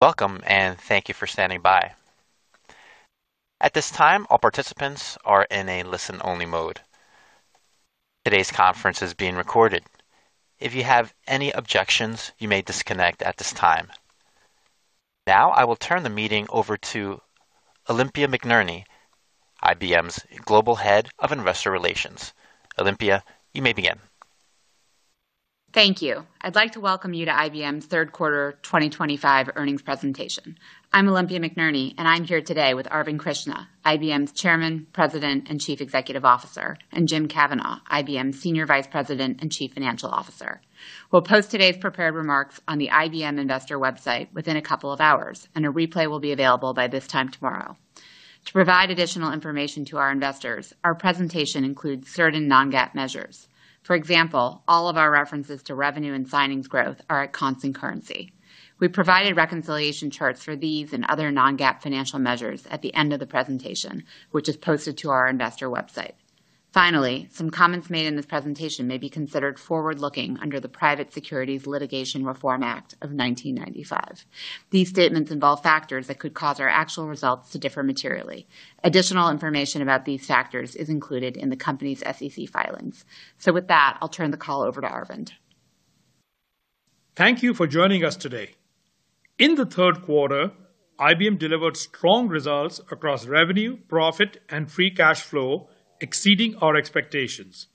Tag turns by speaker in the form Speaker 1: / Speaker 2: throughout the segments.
Speaker 1: Welcome, and thank you for standing by. At this time, all participants are in a listen-only mode. Today's conference is being recorded. If you have any objections, you may disconnect at this time. Now, I will turn the meeting over to Olympia McNerney, IBM's Global Head of Investor Relations. Olympia, you may begin.
Speaker 2: Thank you. I'd like to welcome you to IBM's third quarter 2025 earnings presentation. I'm Olympia McNerney, and I'm here today with Arvind Krishna, IBM's Chairman, President, and Chief Executive Officer, and Jim Kavanaugh, IBM's Senior Vice President and Chief Financial Officer. We'll post today's prepared remarks on the IBM Investor website within a couple of hours, and a replay will be available by this time tomorrow. To provide additional information to our investors, our presentation includes certain non-GAAP measures. For example, all of our references to revenue and signings growth are at constant currency. We provided reconciliation charts for these and other non-GAAP financial measures at the end of the presentation, which is posted to our investor website. Finally, some comments made in this presentation may be considered forward-looking under the Private Securities Litigation Reform Act of 1995. These statements involve factors that could cause our actual results to differ materially. Additional information about these factors is included in the company's SEC filings. With that, I'll turn the call over to Arvind.
Speaker 3: Thank you for joining us today. In the third quarter, IBM delivered strong results across revenue, profit, and free cash flow, exceeding our expectations.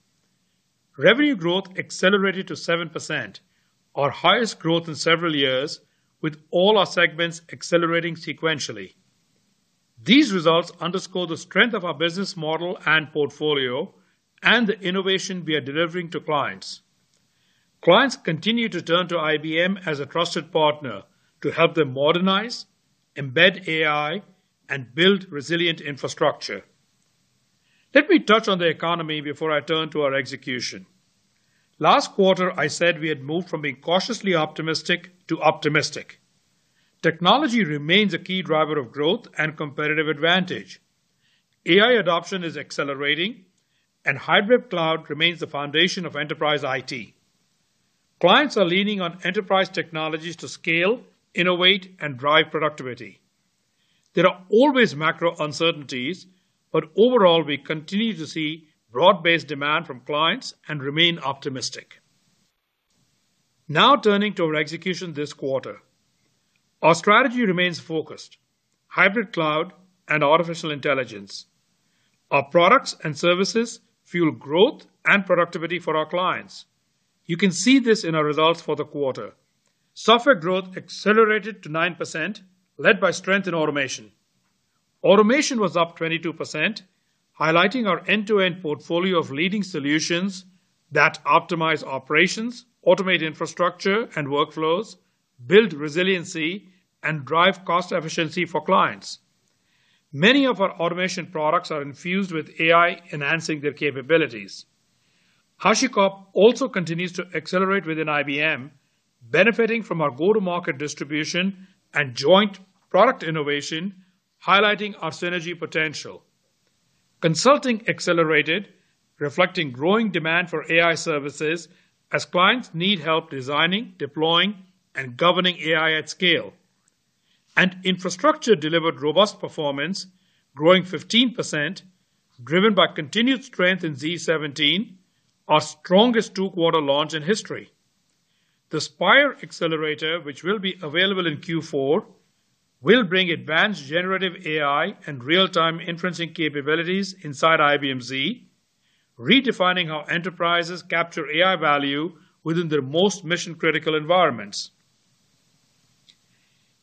Speaker 3: Revenue growth accelerated to 7%, our highest growth in several years, with all our segments accelerating sequentially. These results underscore the strength of our business model and portfolio, and the innovation we are delivering to clients. Clients continue to turn to IBM as a trusted partner to help them modernize, embed AI, and build resilient infrastructure. Let me touch on the economy before I turn to our execution. Last quarter, I said we had moved from being cautiously optimistic to optimistic. Technology remains a key driver of growth and competitive advantage. AI adoption is accelerating, and hybrid cloud remains the foundation of enterprise IT. Clients are leaning on enterprise technologies to scale, innovate, and drive productivity. There are always macro uncertainties, but overall, we continue to see broad-based demand from clients and remain optimistic. Now turning to our execution this quarter, our strategy remains focused: hybrid cloud and artificial intelligence. Our products and services fuel growth and productivity for our clients. You can see this in our results for the quarter. Software growth accelerated to 9%, led by strength in Automation. Automation was up 22%, highlighting our end-to-end portfolio of leading solutions that optimize operations, automate infrastructure and workflows, build resiliency, and drive cost efficiency for clients. Many of our automation products are infused with AI, enhancing their capabilities. HashiCorp also continues to accelerate within IBM, benefiting from our go-to-market distribution and joint product innovation, highlighting our synergy potential. Consulting accelerated, reflecting growing demand for AI services as clients need help designing, deploying, and governing AI at scale. Infrastructure delivered robust performance, growing 15%, driven by continued strength in z17, our strongest two-quarter launch in history. The Spyre accelerator, which will be available in Q4, will bring advanced GenAI and real-time inferencing capabilities inside IBM Z, redefining how enterprises capture AI value within their most mission-critical environments.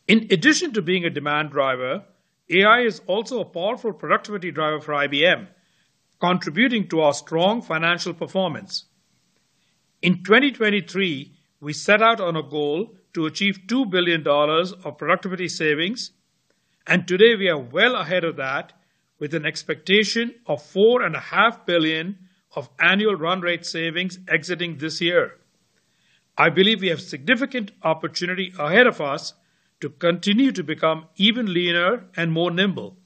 Speaker 3: In addition to being a demand driver, AI is also a powerful productivity driver for IBM, contributing to our strong financial performance. In 2023, we set out on a goal to achieve $2 billion of productivity savings, and today we are well ahead of that with an expectation of $4.5 billion of annual run-rate savings exiting this year. I believe we have significant opportunity ahead of us to continue to become even leaner and more nimble.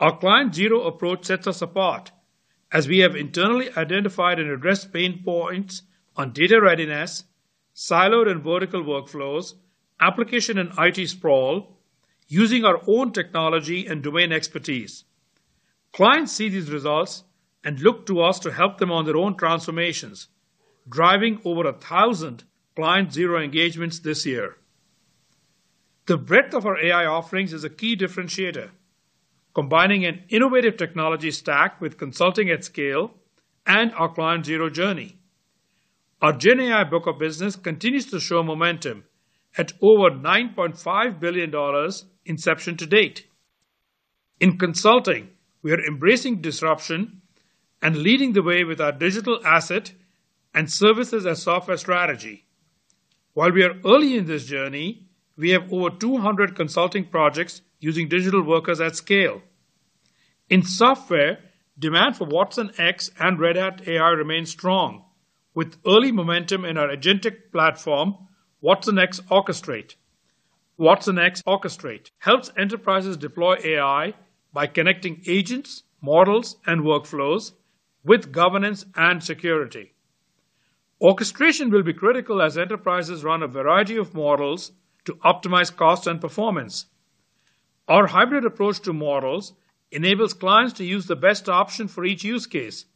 Speaker 3: Our Client Zero approach sets us apart, as we have internally identified and addressed pain points on data readiness, siloed and vertical workflows, application and IT sprawl, using our own technology and domain expertise. Clients see these results and look to us to help them on their own transformations, driving over 1,000 Client Zero engagements this year. The breadth of our AI offerings is a key differentiator, combining an innovative technology stack with Consulting at scale and our Client Zero journey. Our GenAI book of business continues to show momentum at over $9.5 billion inception to date. In Consulting, we are embracing disruption and leading the way with our digital asset and services as Software strategy. While we are early in this journey, we have over 200 consulting projects using digital workers at scale. In Software, demand for watsonx and Red Hat AI remains strong, with early momentum in our agentic platform, watsonx Orchestrate. watsonx Orchestrate helps enterprises deploy AI by connecting agents, models, and workflows with governance and security. Orchestration will be critical as enterprises run a variety of models to optimize cost and performance. Our hybrid approach to models enables clients to use the best option for each use case: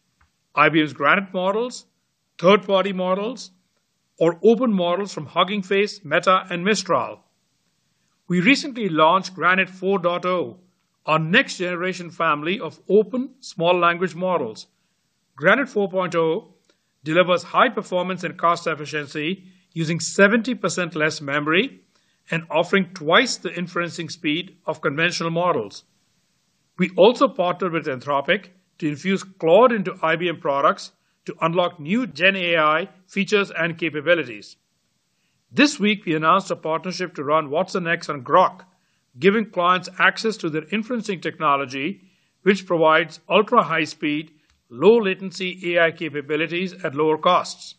Speaker 3: IBM's Granite models, third-party models, or open models from Hugging Face, Meta, and Mistral. We recently launched Granite 4.0, our next-generation family of open small language models. Granite 4.0 delivers high performance and cost efficiency using 70% less memory and offering twice the inferencing speed of conventional models. We also partnered with Anthropic to infuse Claude into IBM products to unlock new GenAI features and capabilities. This week, we announced a partnership to run watsonx on Groq, giving clients access to their inferencing technology, which provides ultra-high-speed, low-latency AI capabilities at lower costs.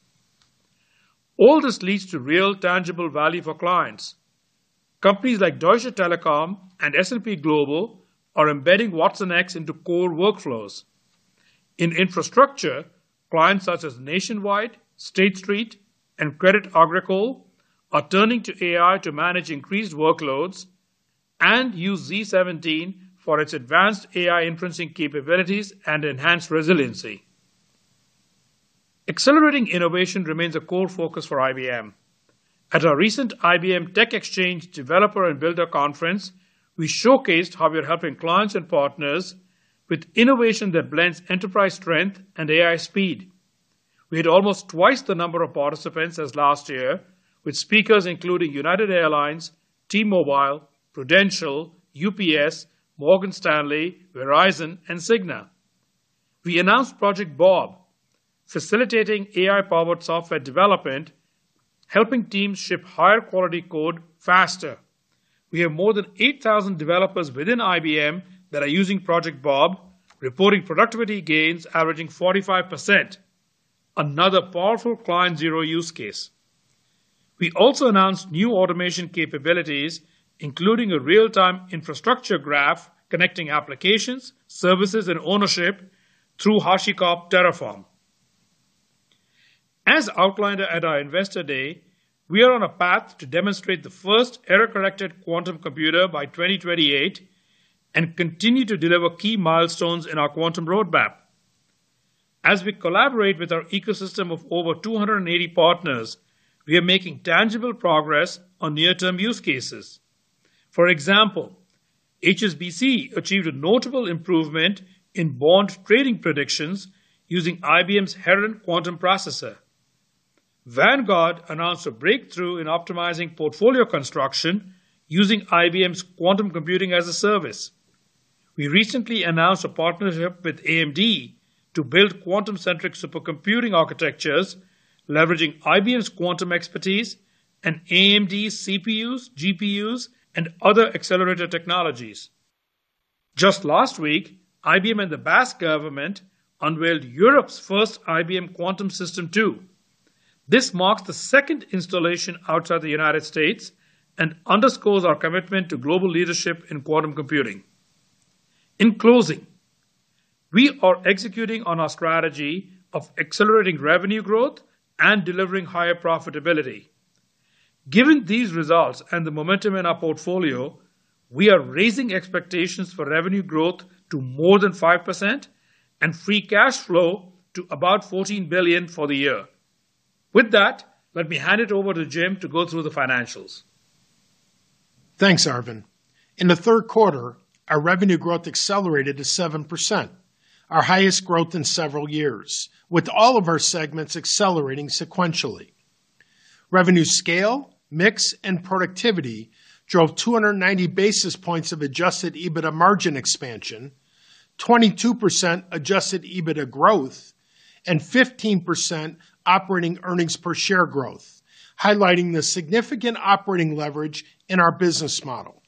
Speaker 3: All this leads to real, tangible value for clients. Companies like Deutsche Telekom and S&P Global are embedding watsonx into core workflows. In Infrastructure, clients such as Nationwide, State Street, and Crédit Agricole are turning to AI to manage increased workloads and use z17 for its advanced AI inferencing capabilities and enhanced resiliency. Accelerating innovation remains a core focus for IBM. At our recent IBM TechXchange developer and builder conference, we showcased how we are helping clients and partners with innovation that blends enterprise strength and AI speed. We had almost twice the number of participants as last year, with speakers including United Airlines, T-Mobile, Prudential, UPS, Morgan Stanley, Verizon, and Cigna. We announced Project Bob, facilitating AI-powered software development, helping teams ship higher-quality code faster. We have more than 8,000 developers within IBM that are using Project Bob, reporting productivity gains averaging 45%, another powerful Client Zero use case. We also announced new automation capabilities, including a real-time infrastructure graph connecting applications, services, and ownership through HashiCorp Terraform. As outlined at our Investor Day, we are on a path to demonstrate the first error-corrected quantum computer by 2028 and continue to deliver key milestones in our quantum roadmap. As we collaborate with our ecosystem of over 280 partners, we are making tangible progress on near-term use cases. For example, HSBC achieved a notable improvement in bond trading predictions using IBM's Heron quantum processor. Vanguard announced a breakthrough in optimizing portfolio construction using IBM's quantum computing as a service. We recently announced a partnership with AMD to build quantum-centric supercomputing architectures, leveraging IBM's quantum expertise and AMD's CPUs, GPUs, and other accelerator technologies. Just last week, IBM and the Basque Government unveiled Europe's first IBM Quantum System Two. This marks the second installation outside the United States and underscores our commitment to global leadership in quantum computing. In closing, we are executing on our strategy of accelerating revenue growth and delivering higher profitability. Given these results and the momentum in our portfolio, we are raising expectations for revenue growth to more than 5% and free cash flow to about $14 billion for the year. With that, let me hand it over to Jim to go through the financials.
Speaker 4: Thanks, Arvind. In the third quarter, our revenue growth accelerated to 7%, our highest growth in several years, with all of our segments accelerating sequentially. Revenue scale, mix, and productivity drove 290 basis points of adjusted EBITDA margin expansion, 22% adjusted EBITDA growth, and 15% operating earnings per share growth, highlighting the significant operating leverage in our business model.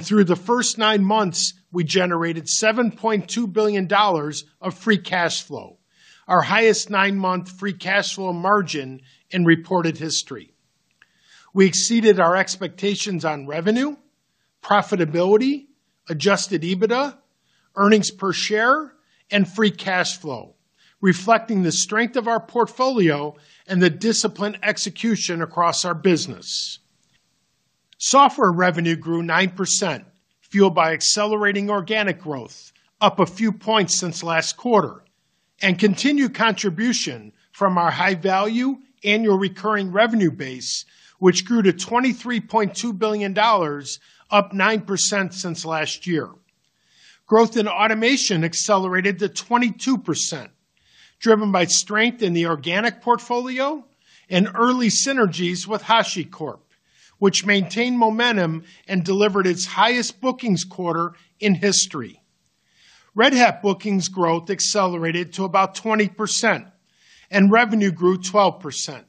Speaker 4: Through the first nine months, we generated $7.2 billion of free cash flow, our highest nine-month free cash flow margin in reported history. We exceeded our expectations on revenue, profitability, adjusted EBITDA, earnings per share, and free cash flow, reflecting the strength of our portfolio and the disciplined execution across our business. Software revenue grew 9%, fueled by accelerating organic growth, up a few points since last quarter, and continued contribution from our high-value annual recurring revenue base, which grew to $23.2 billion, up 9% since last year. Growth in Automation accelerated to 22%, driven by strength in the organic portfolio and early synergies with HashiCorp, which maintained momentum and delivered its highest bookings quarter in history. Red Hat bookings growth accelerated to about 20%, and revenue grew 12%.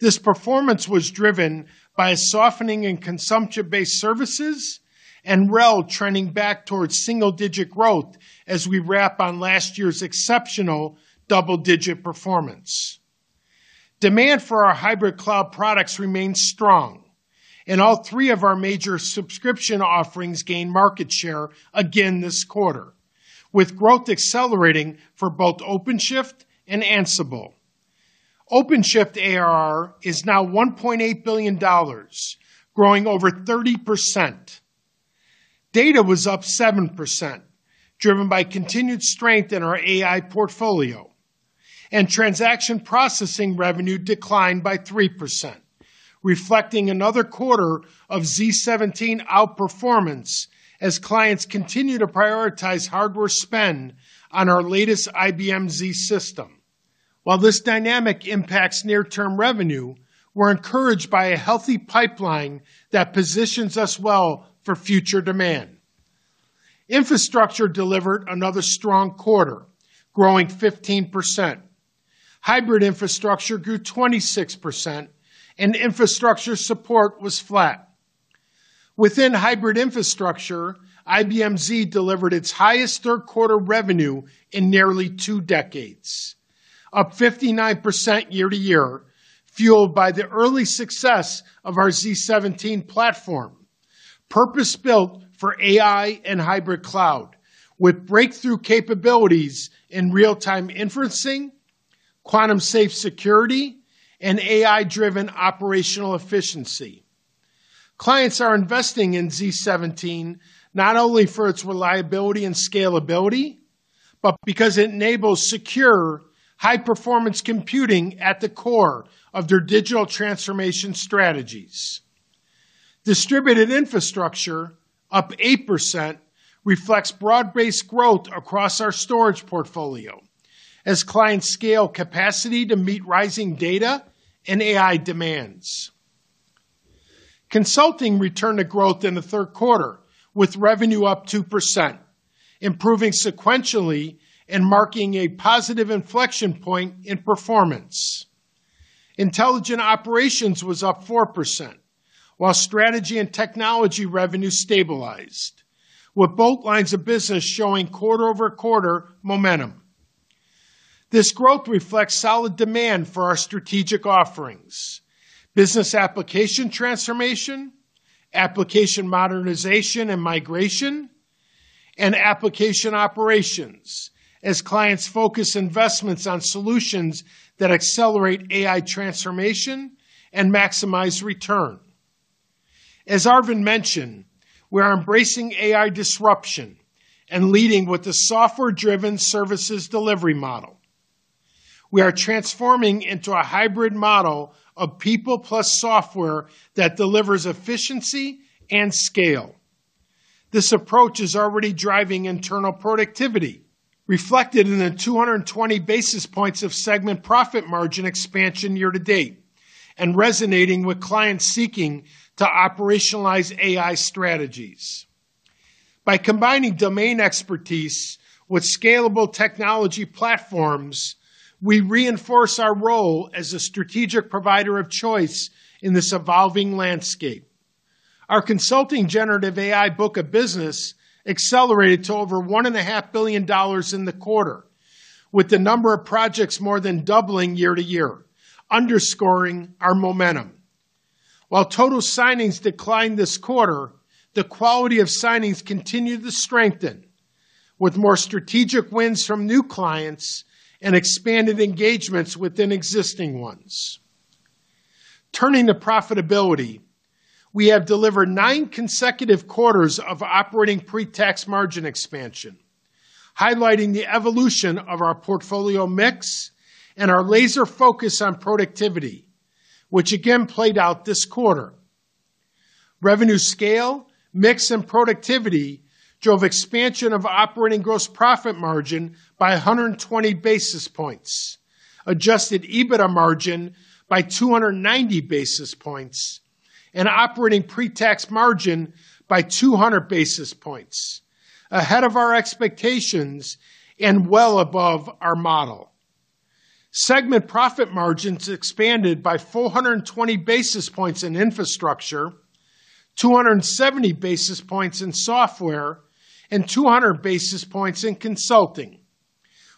Speaker 4: This performance was driven by a softening in consumption-based services and RHEL trending back towards single-digit growth as we wrap on last year's exceptional double-digit performance. Demand for our hybrid cloud products remains strong, and all three of our major subscription offerings gained market share again this quarter, with growth accelerating for both OpenShift and Ansible. OpenShift ARR is now $1.8 billion, growing over 30%. Data was up 7%, driven by continued strength in our AI portfolio, and Transaction Processing revenue declined by 3%, reflecting another quarter of Z17 outperformance as clients continue to prioritize hardware spend on our latest IBM Z system. While this dynamic impacts near-term revenue, we're encouraged by a healthy pipeline that positions us well for future demand. Infrastructure delivered another strong quarter, growing 15%. Hybrid Infrastructure grew 26%, and Infrastructure Support was flat. Within Hybrid Infrastructure, IBM Z delivered its highest third-quarter revenue in nearly two decades, up 59% year-to-year, fueled by the early success of our z17 platform, purpose-built for AI and hybrid cloud, with breakthrough capabilities in real-time inferencing, quantum-safe security, and AI-driven operational efficiency. Clients are investing in z17 not only for its reliability and scalability, but because it enables secure, high-performance computing at the core of their digital transformation strategies. Distributed Infrastructure, up 8%, reflects broad-based growth across our Storage portfolio as clients scale capacity to meet rising data and AI demands. Consulting returned a growth in the third quarter, with revenue up 2%, improving sequentially and marking a positive inflection point in performance. Intelligent Operations was up 4%, while Strategy and Technology revenue stabilized, with both lines of business showing quarter-over-quarter momentum. This growth reflects solid demand for our strategic offerings: business application transformation, application modernization and migration, and application operations, as clients focus investments on solutions that accelerate AI transformation and maximize return. As Arvind mentioned, we are embracing AI disruption and leading with a software-driven services delivery model. We are transforming into a hybrid model of people plus software that delivers efficiency and scale. This approach is already driving internal productivity, reflected in the 220 basis points of segment profit margin expansion year to date and resonating with clients seeking to operationalize AI strategies. By combining domain expertise with scalable technology platforms, we reinforce our role as a strategic provider of choice in this evolving landscape. Our Consulting generative AI book of business accelerated to over $1.5 billion in the quarter, with the number of projects more than doubling year to year, underscoring our momentum. While total signings declined this quarter, the quality of signings continued to strengthen, with more strategic wins from new clients and expanded engagements within existing ones. Turning to profitability, we have delivered nine consecutive quarters of operating pre-tax margin expansion, highlighting the evolution of our portfolio mix and our laser focus on productivity, which again played out this quarter. Revenue scale, mix, and productivity drove expansion of operating gross profit margin by 120 basis points, adjusted EBITDA margin by 290 basis points, and operating pre-tax margin by 200 basis points, ahead of our expectations and well above our model. Segment profit margins expanded by 420 basis points in Infrastructure, 270 basis points in Software, and 200 basis points in Consulting,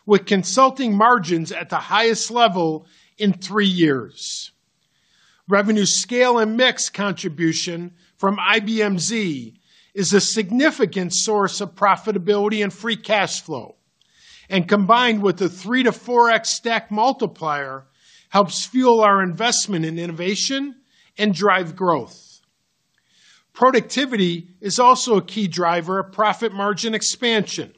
Speaker 4: with Consulting margins at the highest level in three years. Revenue scale and mix contribution from IBM Z is a significant source of profitability and free cash flow, and combined with the 3x-4x stack multiplier, helps fuel our investment in innovation and drive growth. Productivity is also a key driver of profit margin expansion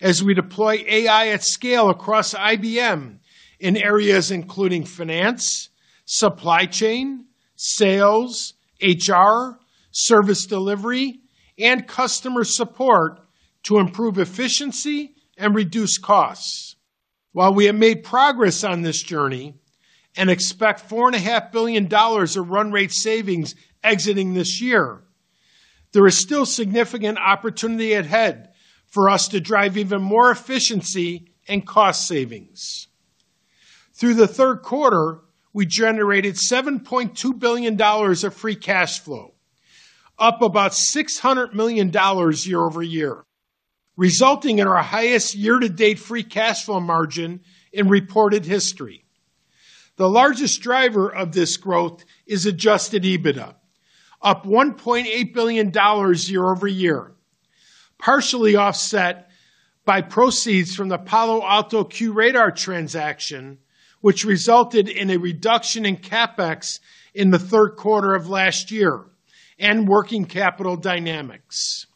Speaker 4: as we deploy AI at scale across IBM in areas including finance, supply chain, sales, HR, service delivery, and customer support to improve efficiency and reduce costs. While we have made progress on this journey and expect $4.5 billion of run-rate savings exiting this year, there is still significant opportunity ahead for us to drive even more efficiency and cost savings. Through the third quarter, we generated $7.2 billion of free cash flow, up about $600 million year-over-year, resulting in our highest year-to-date free cash flow margin in reported history. The largest driver of this growth is adjusted EBITDA, up $1.8 billion year-over-year, partially offset by proceeds from the Palo Alto QRadar transaction, which resulted in a reduction in CapEx in the third quarter of last year and working capital dynamics.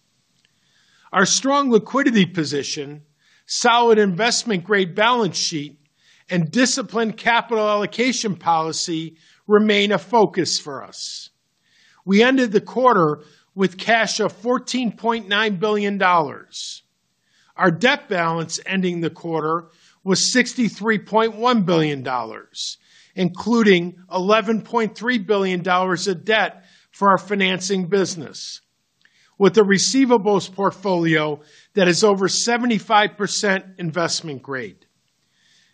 Speaker 4: Our strong liquidity position, solid investment-grade balance sheet, and disciplined capital allocation policy remain a focus for us. We ended the quarter with cash of $14.9 billion. Our debt balance ending the quarter was $63.1 billion, including $11.3 billion of debt for our financing business, with a receivables portfolio that is over 75% investment grade.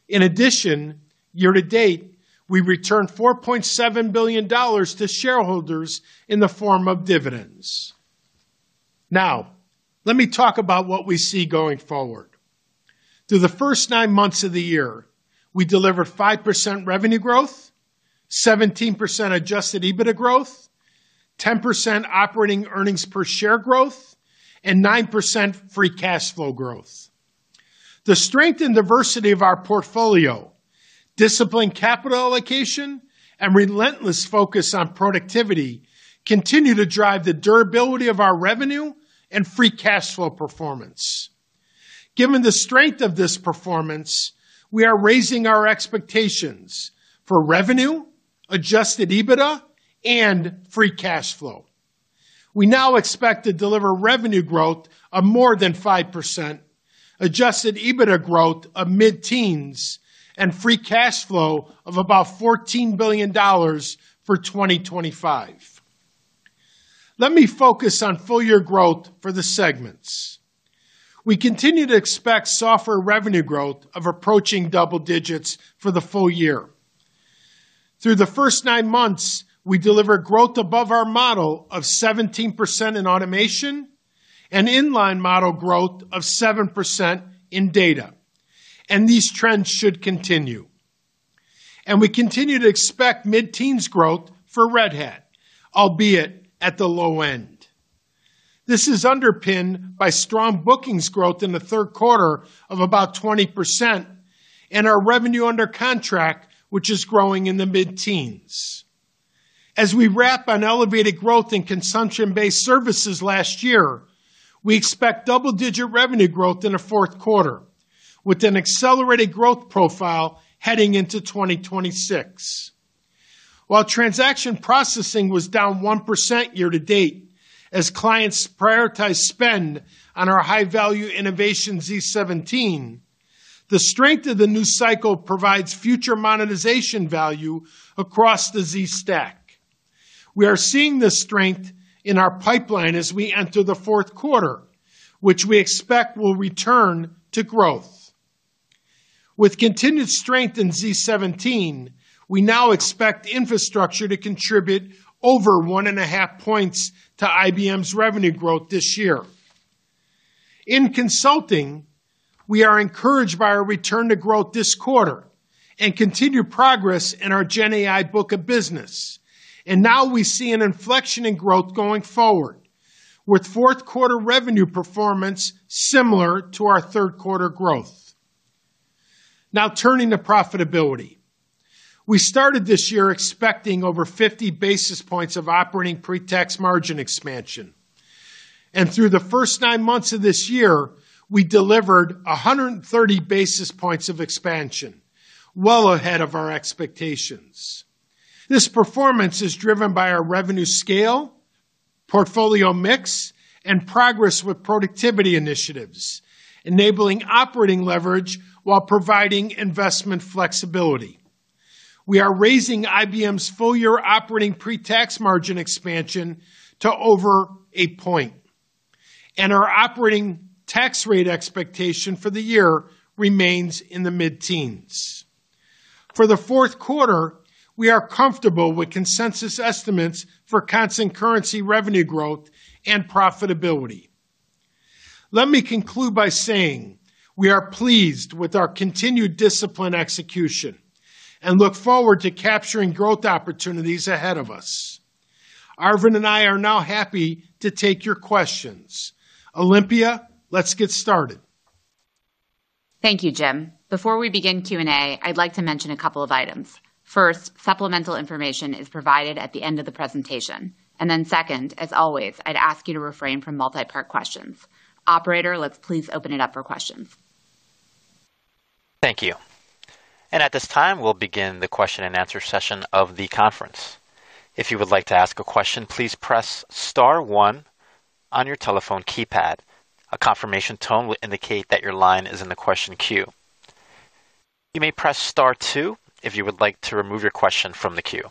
Speaker 4: In addition, year to date, we returned $4.7 billion to shareholders in the form of dividends. Now, let me talk about what we see going forward. Through the first nine months of the year, we delivered 5% revenue growth, 17% adjusted EBITDA growth, 10% operating earnings per share growth, and 9% free cash flow growth. The strength and diversity of our portfolio, disciplined capital allocation, and relentless focus on productivity continue to drive the durability of our revenue and free cash flow performance. Given the strength of this performance, we are raising our expectations for revenue, adjusted EBITDA, and free cash flow. We now expect to deliver revenue growth of more than 5%, adjusted EBITDA growth of mid-teens, and free cash flow of about $14 billion for 2025. Let me focus on full-year growth for the segments. We continue to expect Software revenue growth of approaching double digits for the full year. Through the first nine months, we delivered growth above our model of 17% in Automation and inline model growth of 7% in Data, and these trends should continue. We continue to expect mid-teens growth for Red Hat, albeit at the low end. This is underpinned by strong bookings growth in the third quarter of about 20% and our revenue under contract, which is growing in the mid-teens. As we wrap on elevated growth in consumption-based services last year, we expect double-digit revenue growth in the fourth quarter, with an accelerated growth profile heading into 2026. While Transaction Processing was down 1% year to date as clients prioritize spend on our high-value innovation z17, the strength of the new cycle provides future monetization value across the Z stack. We are seeing this strength in our pipeline as we enter the fourth quarter, which we expect will return to growth. With continued strength in Z17, we now expect Infrastructure to contribute over 1.5 points to IBM's revenue growth this year. In Consulting, we are encouraged by our return to growth this quarter and continued progress in our GenAI book of business. We see an inflection in growth going forward, with fourth-quarter revenue performance similar to our third-quarter growth. Now turning to profitability, we started this year expecting over 50 basis points of operating pre-tax margin expansion. Through the first nine months of this year, we delivered 130 basis points of expansion, well ahead of our expectations. This performance is driven by our revenue scale, portfolio mix, and progress with productivity initiatives, enabling operating leverage while providing investment flexibility. We are raising IBM's full-year operating pre-tax margin expansion to over a point, and our operating tax rate expectation for the year remains in the mid-teens. For the fourth quarter, we are comfortable with consensus estimates for constant currency revenue growth and profitability. Let me conclude by saying we are pleased with our continued disciplined execution and look forward to capturing growth opportunities ahead of us. Arvind and I are now happy to take your questions. Olympia, let's get started.
Speaker 2: Thank you, Jim. Before we begin Q&A, I'd like to mention a couple of items. First, supplemental information is provided at the end of the presentation. Second, as always, I'd ask you to refrain from multi-part questions. Operator, let's please open it up for questions.
Speaker 1: Thank you. At this time, we'll begin the question and answer session of the conference. If you would like to ask a question, please press star one on your telephone keypad. A confirmation tone will indicate that your line is in the question queue. You may press star two if you would like to remove your question from the queue.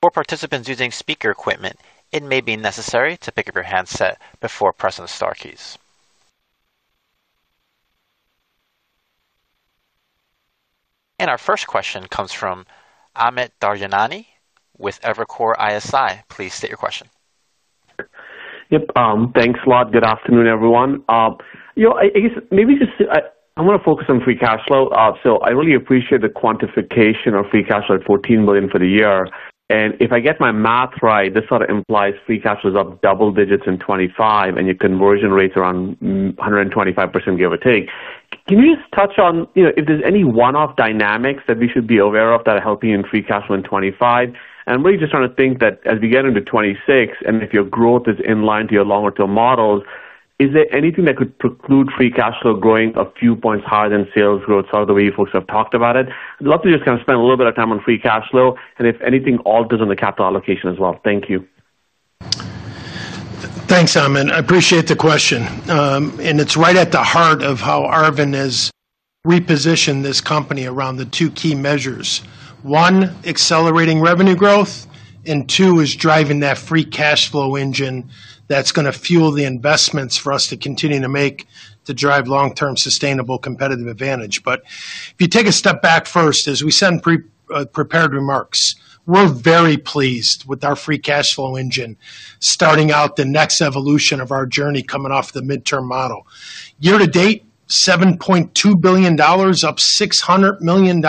Speaker 1: For participants using speaker equipment, it may be necessary to pick up your handset before pressing the star keys. Our first question comes from Amit Daryanani with Evercore ISI. Please state your question.
Speaker 5: Yep. Thanks a lot. Good afternoon, everyone. I guess maybe just I want to focus on free cash flow. I really appreciate the quantification of free cash flow at $14 billion for the year. If I get my math right, this sort of implies free cash flow is up double digits in 2025, and your conversion rate is around 125%, give or take. Can you just touch on if there's any one-off dynamics that we should be aware of that are helping in free cash flow in 2025? I'm really just trying to think that as we get into 2026, and if your growth is in line to your longer-term models, is there anything that could preclude free cash flow growing a few points higher than sales growth, sort of the way you folks have talked about it? I'd love to just kind of spend a little bit of time on free cash flow and if anything alters on the capital allocation as well. Thank you.
Speaker 4: Thanks, Amit. I appreciate the question. It's right at the heart of how Arvind has repositioned this company around the two key measures. One, accelerating revenue growth, and two is driving that free cash flow engine that's going to fuel the investments for us to continue to make to drive long-term sustainable competitive advantage. If you take a step back first, as we said in prepared remarks, we're very pleased with our free cash flow engine, starting out the next evolution of our journey coming off the mid-term model. Year to date, $7.2 billion, up $600 million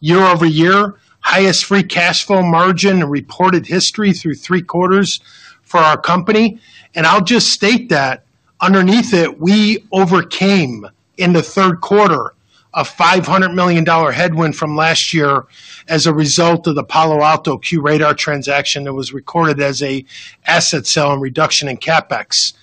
Speaker 4: year-over-year, highest free cash flow margin in reported history through three quarters for our company. I'll just state that underneath it, we overcame in the third quarter a $500 million headwind from last year as a result of the Palo Alto QRadar transaction that was recorded as an asset sale and reduction in CapEx.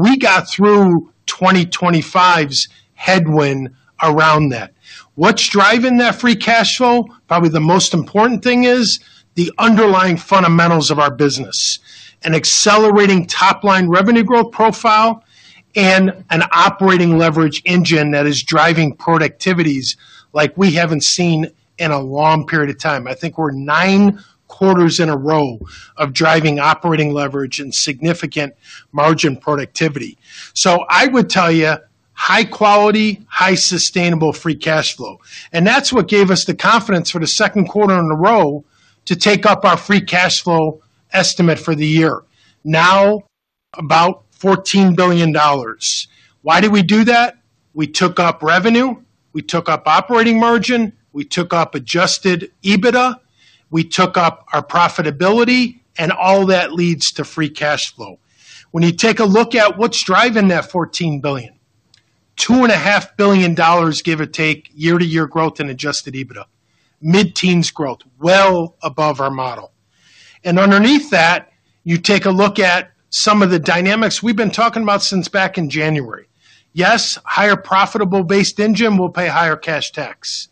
Speaker 4: We got through 2025's headwind around that. What's driving that free cash flow? Probably the most important thing is the underlying fundamentals of our business: an accelerating top-line revenue growth profile and an operating leverage engine that is driving productivities like we haven't seen in a long period of time. I think we're nine quarters in a row of driving operating leverage and significant margin productivity. I would tell you, high quality, high sustainable free cash flow. That's what gave us the confidence for the second quarter in a row to take up our free cash flow estimate for the year, now about $14 billion. Why did we do that? We took up revenue, we took up operating margin, we took up adjusted EBITDA, we took up our profitability, and all that leads to free cash flow. When you take a look at what's driving that $14 billion, $2.5 billion, give or take, year-to-year growth in adjusted EBITDA, mid-teens growth, well above our model. Underneath that, you take a look at some of the dynamics we've been talking about since back in January. Yes, a higher profitable-based engine will pay higher cash tax.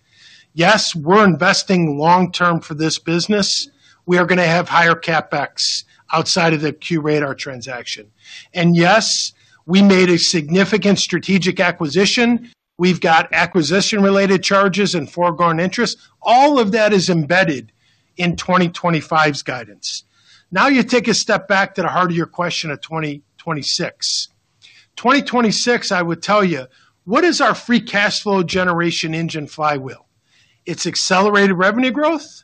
Speaker 4: Yes, we're investing long-term for this business. We are going to have higher CapEx outside of the QRadar transaction. Yes, we made a significant strategic acquisition. We've got acquisition-related charges and foregone interests. All of that is embedded in 2025's guidance. Now you take a step back to the heart of your question of 2026. 2026, I would tell you, what is our free cash flow generation engine flywheel? It's accelerated revenue growth,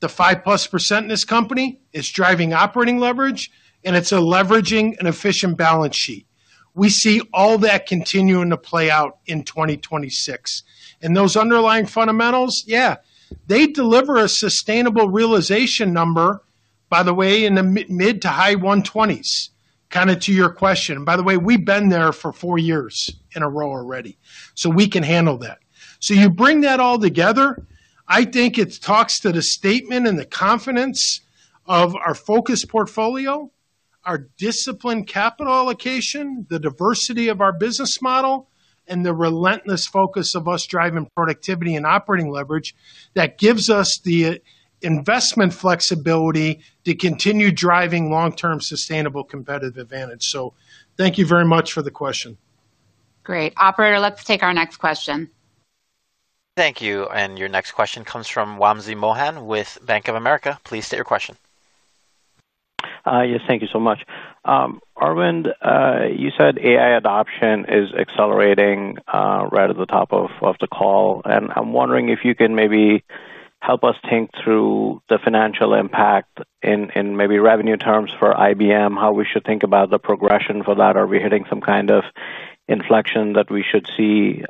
Speaker 4: the 5%+ in this company, it's driving operating leverage, and it's leveraging an efficient balance sheet. We see all that continuing to play out in 2026. Those underlying fundamentals, yeah, they deliver a sustainable realization number, by the way, in the mid to high 120s, kind of to your question. By the way, we've been there for four years in a row already, so we can handle that. You bring that all together, I think it talks to the statement and the confidence of our focused portfolio, our disciplined capital allocation, the diversity of our business model, and the relentless focus of us driving productivity and operating leverage that gives us the investment flexibility to continue driving long-term sustainable competitive advantage. Thank you very much for the question.
Speaker 2: Great. Operator, let's take our next question.
Speaker 1: Thank you. Your next question comes from Wamsi Mohan with Bank of America. Please state your question.
Speaker 6: Yes, thank you so much. Arvind, you said AI adoption is accelerating right at the top of the call. I'm wondering if you can maybe help us think through the financial impact in maybe revenue terms for IBM, how we should think about the progression for that. Are we hitting some kind of inflection that we should see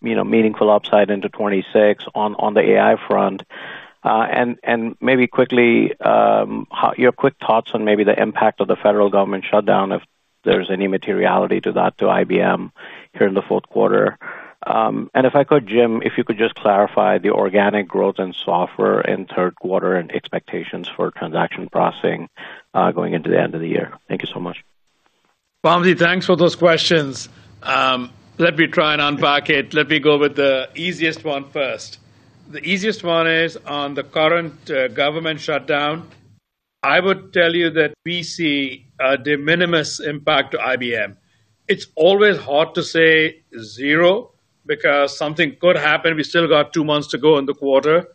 Speaker 6: meaningful upside into 2026 on the AI front? Maybe quickly, your quick thoughts on the impact of the federal government shutdown, if there's any materiality to that to IBM here in the fourth quarter. If I could, Jim, if you could just clarify the organic growth in Software in third quarter and expectations for Transaction Processing going into the end of the year. Thank you so much.
Speaker 3: Wamsi, thanks for those questions. Let me try and unpack it. Let me go with the easiest one first. The easiest one is on the current government shutdown. I would tell you that we see a de minimis impact to IBM. It's always hard to say zero because something could happen. We still got two months to go in the quarter.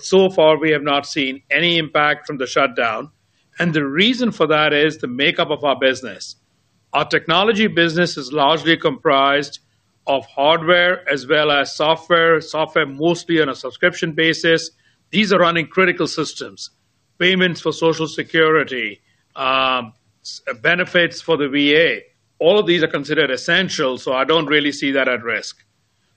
Speaker 3: So far, we have not seen any impact from the shutdown. The reason for that is the makeup of our business. Our technology business is largely comprised of hardware as well as software, software mostly on a subscription basis. These are running critical systems: payments for Social Security, benefits for the VA. All of these are considered essential, so I don't really see that at risk.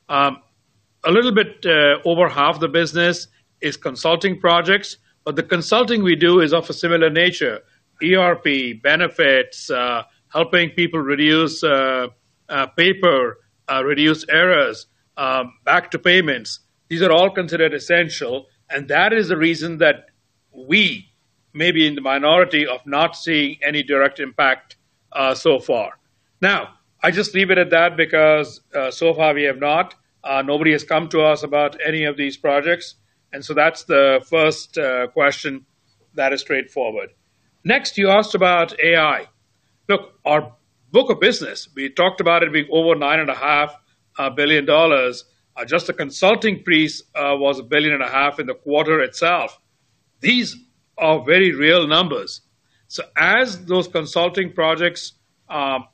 Speaker 3: A little bit over half the business is consulting projects, but the consulting we do is of a similar nature: ERP, benefits, helping people reduce paper, reduce errors, back to payments. These are all considered essential. That is the reason that we may be in the minority of not seeing any direct impact so far. I just leave it at that because so far we have not. Nobody has come to us about any of these projects. That's the first question that is straightforward. Next, you asked about AI. Look, our book of business, we talked about it being over $9.5 billion. Just the Consulting piece was $1.5 billion in the quarter itself. These are very real numbers. As those consulting projects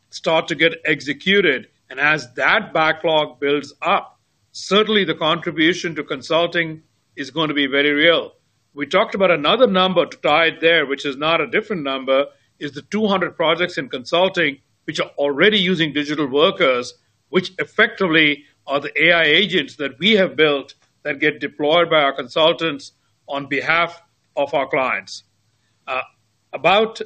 Speaker 3: start to get executed and as that backlog builds up, certainly the contribution to Consulting is going to be very real. We talked about another number to tie it there, which is not a different number, is the 200 projects in Consulting, which are already using digital workers, which effectively are the AI agents that we have built that get deployed by our consultants on behalf of our clients. About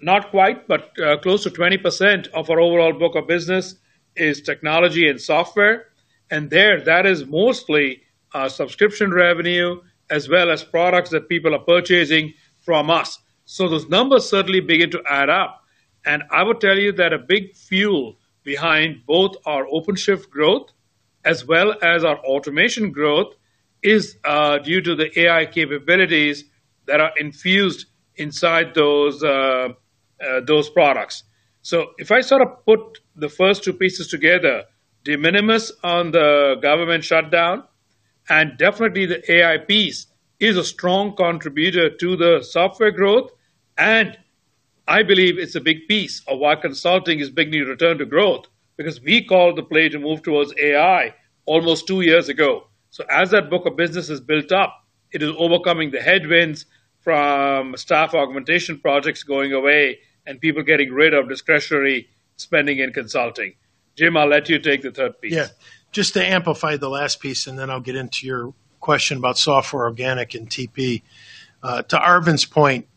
Speaker 3: not quite, but close to 20% of our overall book of business is Technology and Software. There, that is mostly subscription revenue as well as products that people are purchasing from us. Those numbers certainly begin to add up. I would tell you that a big fuel behind both our OpenShift growth as well as our automation growth is due to the AI capabilities that are infused inside those products. If I sort of put the first two pieces together, de minimis on the government shutdown and definitely the AI piece is a strong contributor to the software growth. I believe it's a big piece of why Consulting is making a return to growth because we called the play to move towards AI almost two years ago. As that book of business has built up, it is overcoming the headwinds from staff augmentation projects going away and people getting rid of discretionary spending in consulting. Jim, I'll let you take the third piece.
Speaker 4: Yeah, just to amplify the last piece, and then I'll get into your question about software organic and TP. To Arvind's point,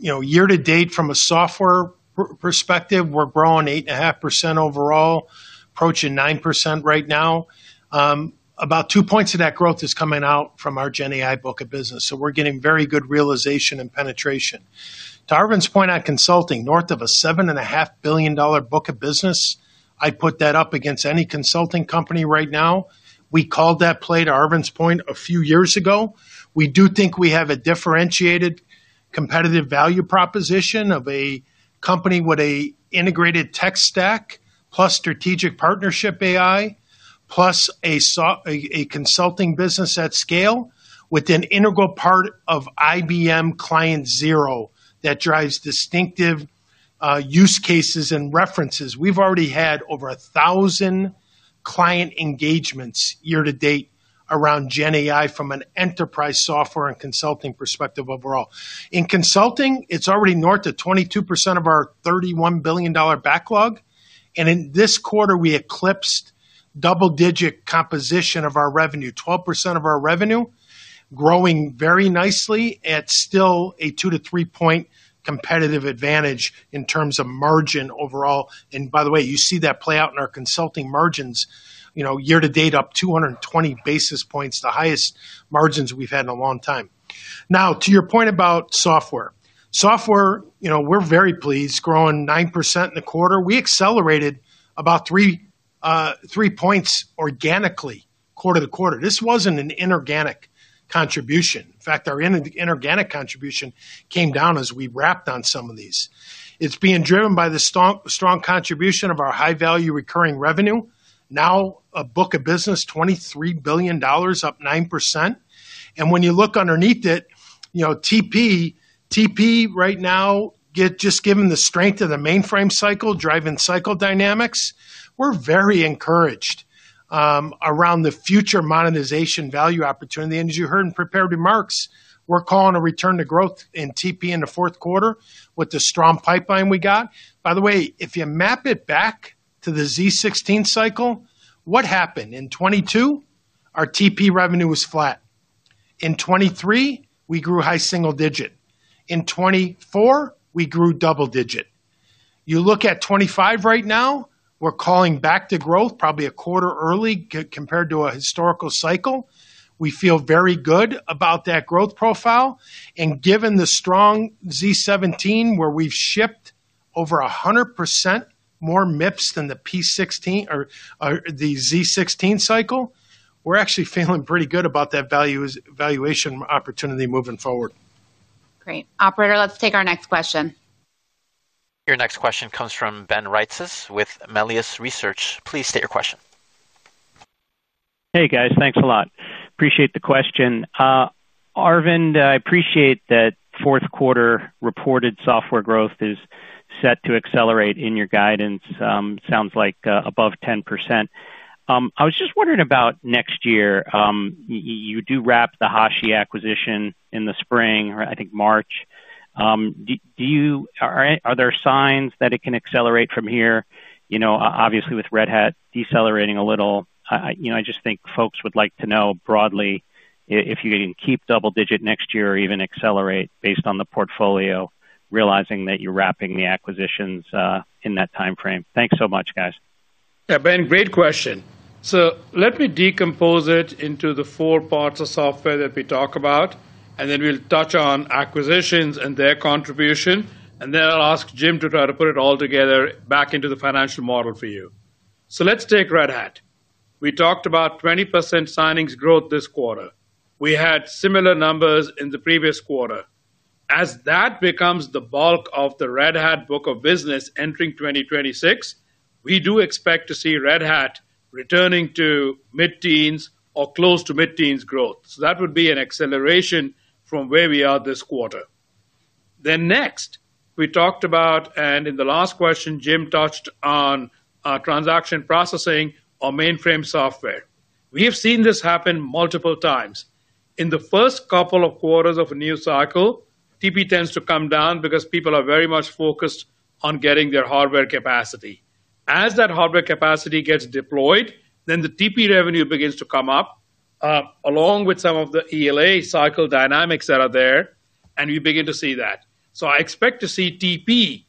Speaker 4: year to date from a software perspective, we're growing 8.5% overall, approaching 9% right now. About two points of that growth is coming out from our GenAI book of business. We're getting very good realization and penetration. To Arvind's point on Consulting, north of a $7.5 billion book of business, I'd put that up against any consulting company right now. We called that play, to Arvind's point, a few years ago. We do think we have a differentiated competitive value proposition of a company with an integrated tech stack plus strategic partnership AI plus a consulting business at scale with an integral part of IBM Client Zero that drives distinctive use cases and references. We've already had over 1,000 client engagements year to date around GenAI from an enterprise software and consulting perspective overall. In Consulting, it's already north of 22% of our $31 billion backlog. In this quarter, we eclipsed double-digit composition of our revenue, 12% of our revenue, growing very nicely at still a two to three-point competitive advantage in terms of margin overall. By the way, you see that play out in our Consulting margins, year to date up 220 basis points, the highest margins we've had in a long time. Now, to your point about Software, Software, we're very pleased growing 9% in the quarter. We accelerated about three points organically quarter to quarter. This wasn't an inorganic contribution. In fact, our inorganic contribution came down as we wrapped on some of these. It's being driven by the strong contribution of our high-value recurring revenue, now a book of business $23 billion, up 9%. When you look underneath it, TP, TP right now, just given the strength of the mainframe cycle driving cycle dynamics, we're very encouraged around the future monetization value opportunity. As you heard in prepared remarks, we're calling a return to growth in TP in the fourth quarter with the strong pipeline we got. If you map it back to the z16 cycle, what happened? In 2022, our TP revenue was flat. In 2023, we grew high single digit. In 2024, we grew double digit. You look at 2025 right now, we're calling back to growth, probably a quarter early compared to a historical cycle. We feel very good about that growth profile. Given the strong z17, where we've shipped over 100% more MIPS than the P16 or the z16 cycle, we're actually feeling pretty good about that valuation opportunity moving forward.
Speaker 2: Great. Operator, let's take our next question.
Speaker 1: Your next question comes from Ben Reitzes with Melius Research. Please state your question.
Speaker 7: Hey, guys, thanks a lot. Appreciate the question. Arvind, I appreciate that fourth quarter reported Software growth is set to accelerate in your guidance. It sounds like above 10%. I was just wondering about next year. You do wrap the Hashi acquisition in the spring, or I think March. Are there signs that it can accelerate from here? Obviously with Red Hat decelerating a little, I just think folks would like to know broadly if you can keep double digit next year or even accelerate based on the portfolio, realizing that you're wrapping the acquisitions in that time frame. Thanks so much, guys.
Speaker 3: Yeah, Ben, great question. Let me decompose it into the four parts of software that we talk about, and then we'll touch on acquisitions and their contribution. I'll ask Jim to try to put it all together back into the financial model for you. Let's take Red Hat. We talked about 20% signings growth this quarter. We had similar numbers in the previous quarter. As that becomes the bulk of the Red Hat book of business entering 2026, we do expect to see Red Hat returning to mid-teens or close to mid-teens growth. That would be an acceleration from where we are this quarter. Next, we talked about, and in the last question, Jim touched on Transaction Processing or mainframe software. We have seen this happen multiple times. In the first couple of quarters of a new cycle, TP tends to come down because people are very much focused on getting their hardware capacity. As that hardware capacity gets deployed, the TP revenue begins to come up along with some of the ELA cycle dynamics that are there, and we begin to see that. I expect to see TP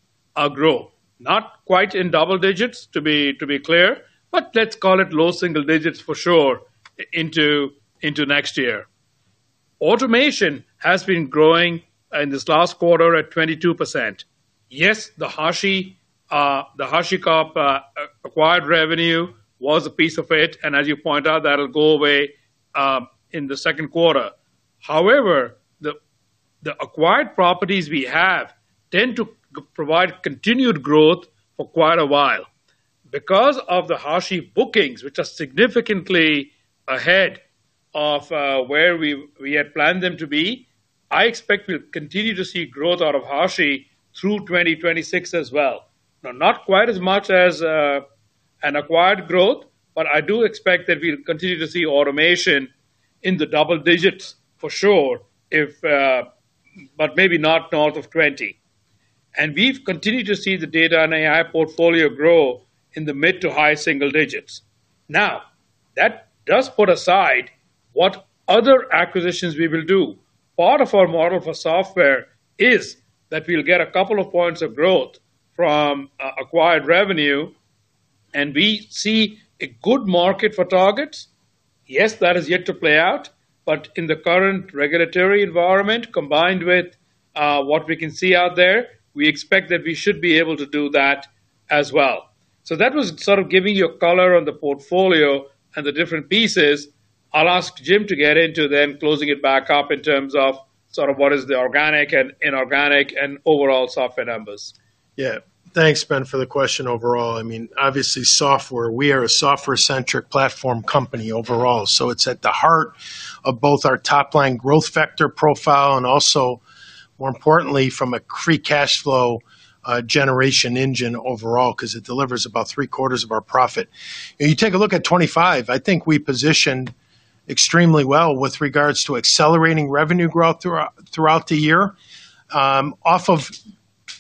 Speaker 3: grow, not quite in double digits, to be clear, but let's call it low single digits for sure into next year. Automation has been growing in this last quarter at 22%. Yes, the HashiCorp acquired revenue was a piece of it, and as you point out, that'll go away in the second quarter. However, the acquired properties we have tend to provide continued growth for quite a while. Because of the Hashi bookings, which are significantly ahead of where we had planned them to be, I expect we'll continue to see growth out of Hashi through 2026 as well. Not quite as much as an acquired growth, but I do expect that we'll continue to see automation in the double digits for sure, but maybe not north of [20%]. We've continued to see the Data and AI portfolio grow in the mid to high single digits. That does put aside what other acquisitions we will do. Part of our model for Software is that we'll get a couple of points of growth from acquired revenue, and we see a good market for targets. Yes, that is yet to play out, but in the current regulatory environment, combined with what we can see out there, we expect that we should be able to do that as well. That was sort of giving you a color on the portfolio and the different pieces. I'll ask Jim to get into then closing it back up in terms of what is the organic and inorganic and overall Software numbers.
Speaker 4: Yeah, thanks, Ben, for the question overall. Obviously, Software, we are a software-centric platform company overall. It is at the heart of both our top-line growth factor profile and also, more importantly, from a free cash flow generation engine overall because it delivers about three quarters of our profit. You take a look at 2025, I think we positioned extremely well with regards to accelerating revenue growth throughout the year off of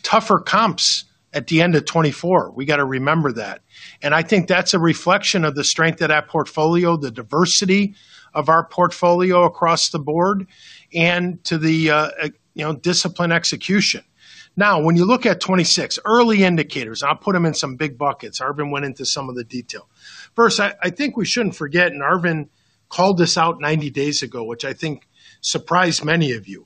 Speaker 4: tougher comps at the end of 2024. We got to remember that. I think that's a reflection of the strength of that portfolio, the diversity of our portfolio across the board, and to the discipline execution. Now, when you look at 2026, early indicators, and I'll put them in some big buckets. Arvind went into some of the detail. First, I think we shouldn't forget, and Arvind called this out 90 days ago, which I think surprised many of you.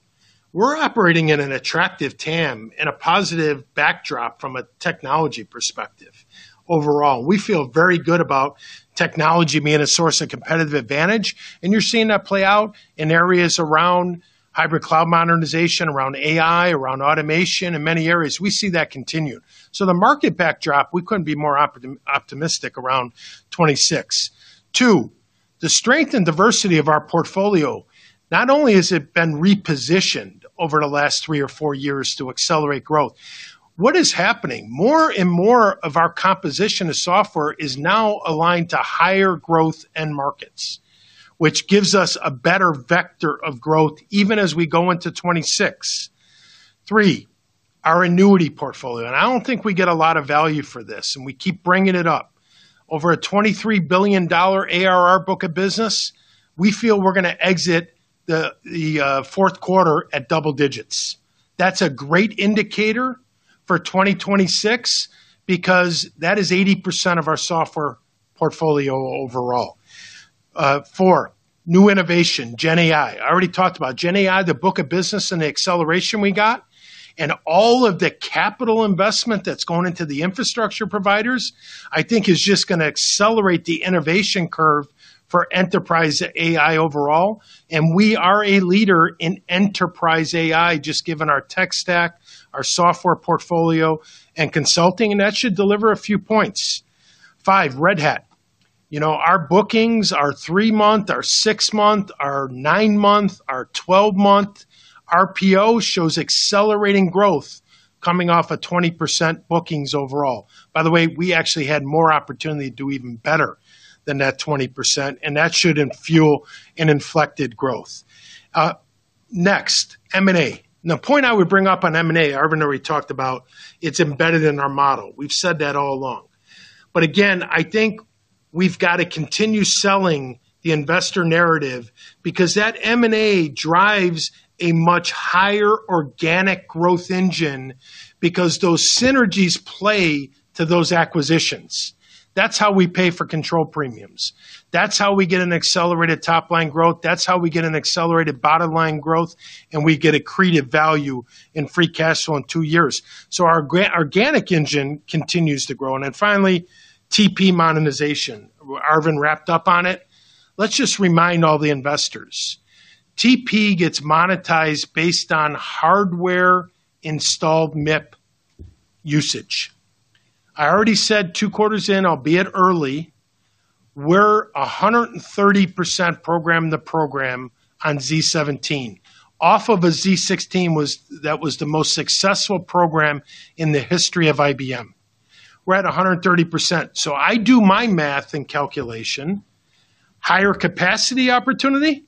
Speaker 4: We're operating in an attractive TAM and a positive backdrop from a technology perspective overall. We feel very good about technology being a source of competitive advantage, and you're seeing that play out in areas around hybrid cloud modernization, around AI, around automation, and many areas. We see that continue. The market backdrop, we couldn't be more optimistic around 2026. Two, the strength and diversity of our portfolio, not only has it been repositioned over the last three or four years to accelerate growth, what is happening? More and more of our composition of software is now aligned to higher growth and markets, which gives us a better vector of growth even as we go into 2026. Three, our annuity portfolio, and I don't think we get a lot of value for this, and we keep bringing it up. Over a $23 billion ARR book of business, we feel we're going to exit the fourth quarter at double digits. That's a great indicator for 2026 because that is 80% of our Software portfolio overall. Four, new innovation, GenAI. I already talked about GenAI, the book of business and the acceleration we got, and all of the capital investment that's going into the infrastructure providers, I think is just going to accelerate the innovation curve for enterprise AI overall. We are a leader in enterprise AI, just given our tech stack, our Software portfolio, and Consulting, and that should deliver a few points. Five, Red Hat. Our bookings, our three-month, our six-month, our nine-month, our 12-month RPO shows accelerating growth coming off a 20% bookings overall. By the way, we actually had more opportunity to do even better than that 20%, and that should fuel and inflect growth. Next, M&A. The point I would bring up on M&A, Arvind already talked about, it's embedded in our model. We've said that all along. I think we've got to continue selling the investor narrative because that M&A drives a much higher organic growth engine because those synergies play to those acquisitions. That's how we pay for control premiums. That's how we get an accelerated top-line growth. That's how we get an accelerated bottom-line growth, and we get a creative value in free cash flow in two years. Our organic engine continues to grow. Finally, TP monetization. Arvind wrapped up on it. Let's just remind all the investors, TP gets monetized based on hardware installed MIP usage. I already said two quarters in, albeit early, we're 130% program to program on z17. Off of a z16, that was the most successful program in the history of IBM. We're at 130%. I do my math and calculation. Higher capacity opportunity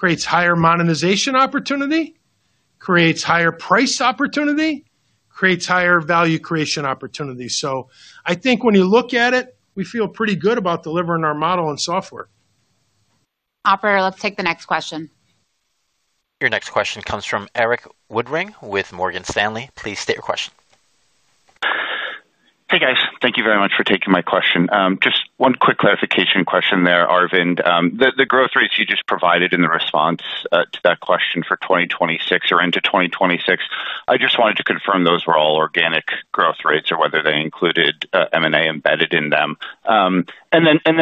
Speaker 4: creates higher monetization opportunity, creates higher price opportunity, creates higher value creation opportunity. I think when you look at it, we feel pretty good about delivering our model and software.
Speaker 2: Operator, let's take the next question.
Speaker 1: Your next question comes from Erik Woodring with Morgan Stanley. Please state your question.
Speaker 8: Hey, guys, thank you very much for taking my question. Just one quick clarification question there, Arvind. The growth rates you just provided in the response to that question for 2026 or into 2026, I just wanted to confirm those were all organic growth rates or whether they included M&A embedded in them.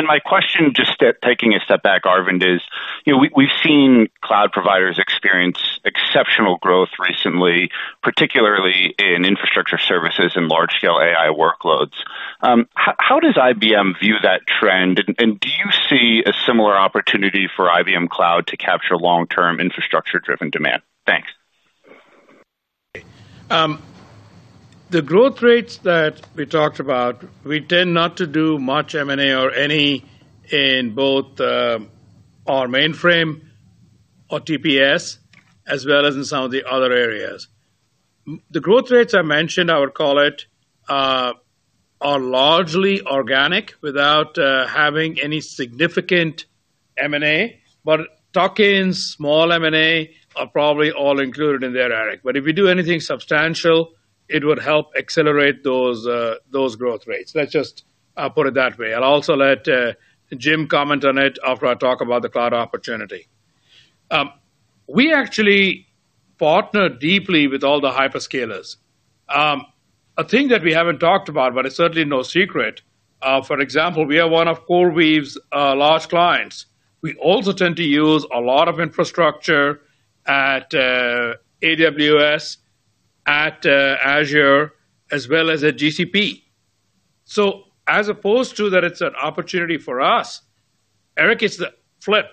Speaker 8: My question, just taking a step back, Arvind, is we've seen cloud providers experience exceptional growth recently, particularly in infrastructure services and large-scale AI workloads. How does IBM view that trend, and do you see a similar opportunity for IBM Cloud to capture long-term infrastructure-driven demand? Thanks.
Speaker 3: The growth rates that we talked about, we tend not to do much M&A or any in both our mainframe or TPS as well as in some of the other areas. The growth rates I mentioned, I would call it, are largely organic without having any significant M&A, but tokens, small M&A are probably all included in there, Erik. If we do anything substantial, it would help accelerate those growth rates. Let's just put it that way. I'll also let Jim comment on it after I talk about the cloud opportunity. We actually partner deeply with all the hyperscalers. A thing that we haven't talked about, but it's certainly no secret, for example, we are one of CoreWeave's large clients. We also tend to use a lot of infrastructure at AWS, at Azure, as well as at GCP. As opposed to that, it's an opportunity for us. Erik, it's the flip.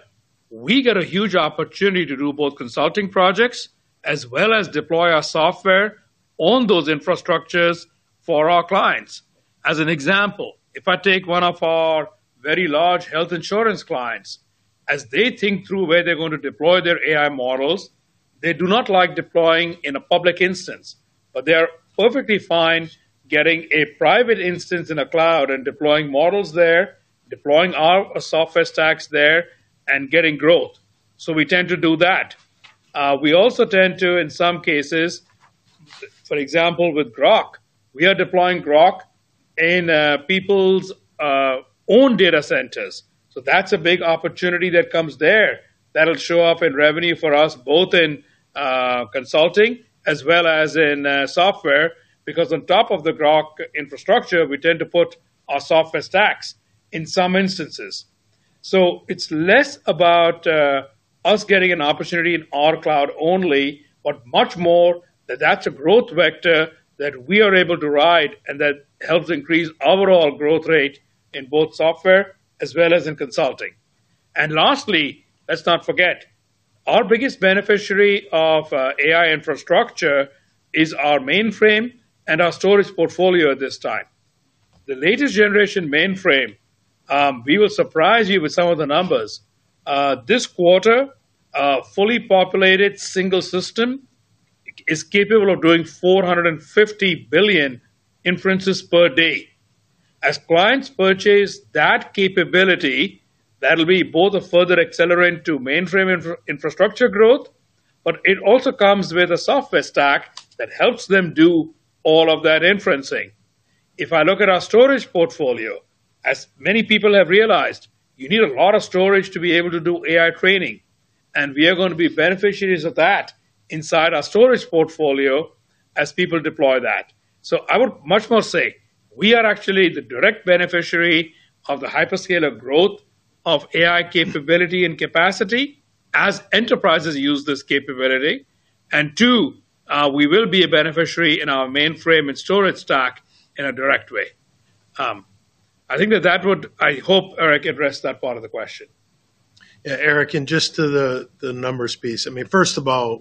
Speaker 3: We get a huge opportunity to do both consulting projects as well as deploy our software on those infrastructures for our clients. As an example, if I take one of our very large health insurance clients, as they think through where they're going to deploy their AI models, they do not like deploying in a public instance, but they're perfectly fine getting a private instance in a cloud and deploying models there, deploying our software stacks there, and getting growth. We tend to do that. We also tend to, in some cases, for example, with Groq, we are deploying Groq in people's own data centers. That's a big opportunity that comes there that'll show up in revenue for us, both in Consulting as well as in Software, because on top of the Groq infrastructure, we tend to put our software stacks in some instances. It's less about us getting an opportunity in our cloud only, but much more that that's a growth vector that we are able to ride and that helps increase overall growth rate in both Software as well as in Consulting. Lastly, let's not forget, our biggest beneficiary of AI infrastructure is our mainframe and our storage portfolio at this time. The latest generation mainframe, we will surprise you with some of the numbers. This quarter, a fully populated single system is capable of doing 450 billion inferences per day. As clients purchase that capability, that'll be both a further accelerant to mainframe Infrastructure growth, but it also comes with a software stack that helps them do all of that inferencing. If I look at our storage portfolio, as many people have realized, you need a lot of storage to be able to do AI training, and we are going to be beneficiaries of that inside our storage portfolio as people deploy that. I would much more say we are actually the direct beneficiary of the hyperscaler growth of AI capability and capacity as enterprises use this capability. We will be a beneficiary in our mainframe and storage stack in a direct way. I think that would, I hope Erik, address that part of the question.
Speaker 4: Yeah, Erik, and just to the numbers piece, I mean, first of all,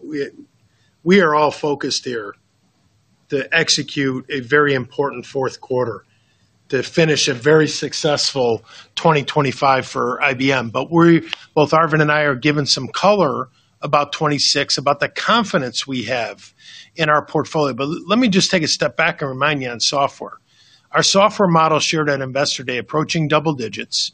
Speaker 4: we are all focused here to execute a very important fourth quarter, to finish a very successful 2025 for IBM. Both Arvind and I are giving some color about 2026, about the confidence we have in our portfolio. Let me just take a step back and remind you on Software. Our Software model shared at Investor Day, approaching double digits,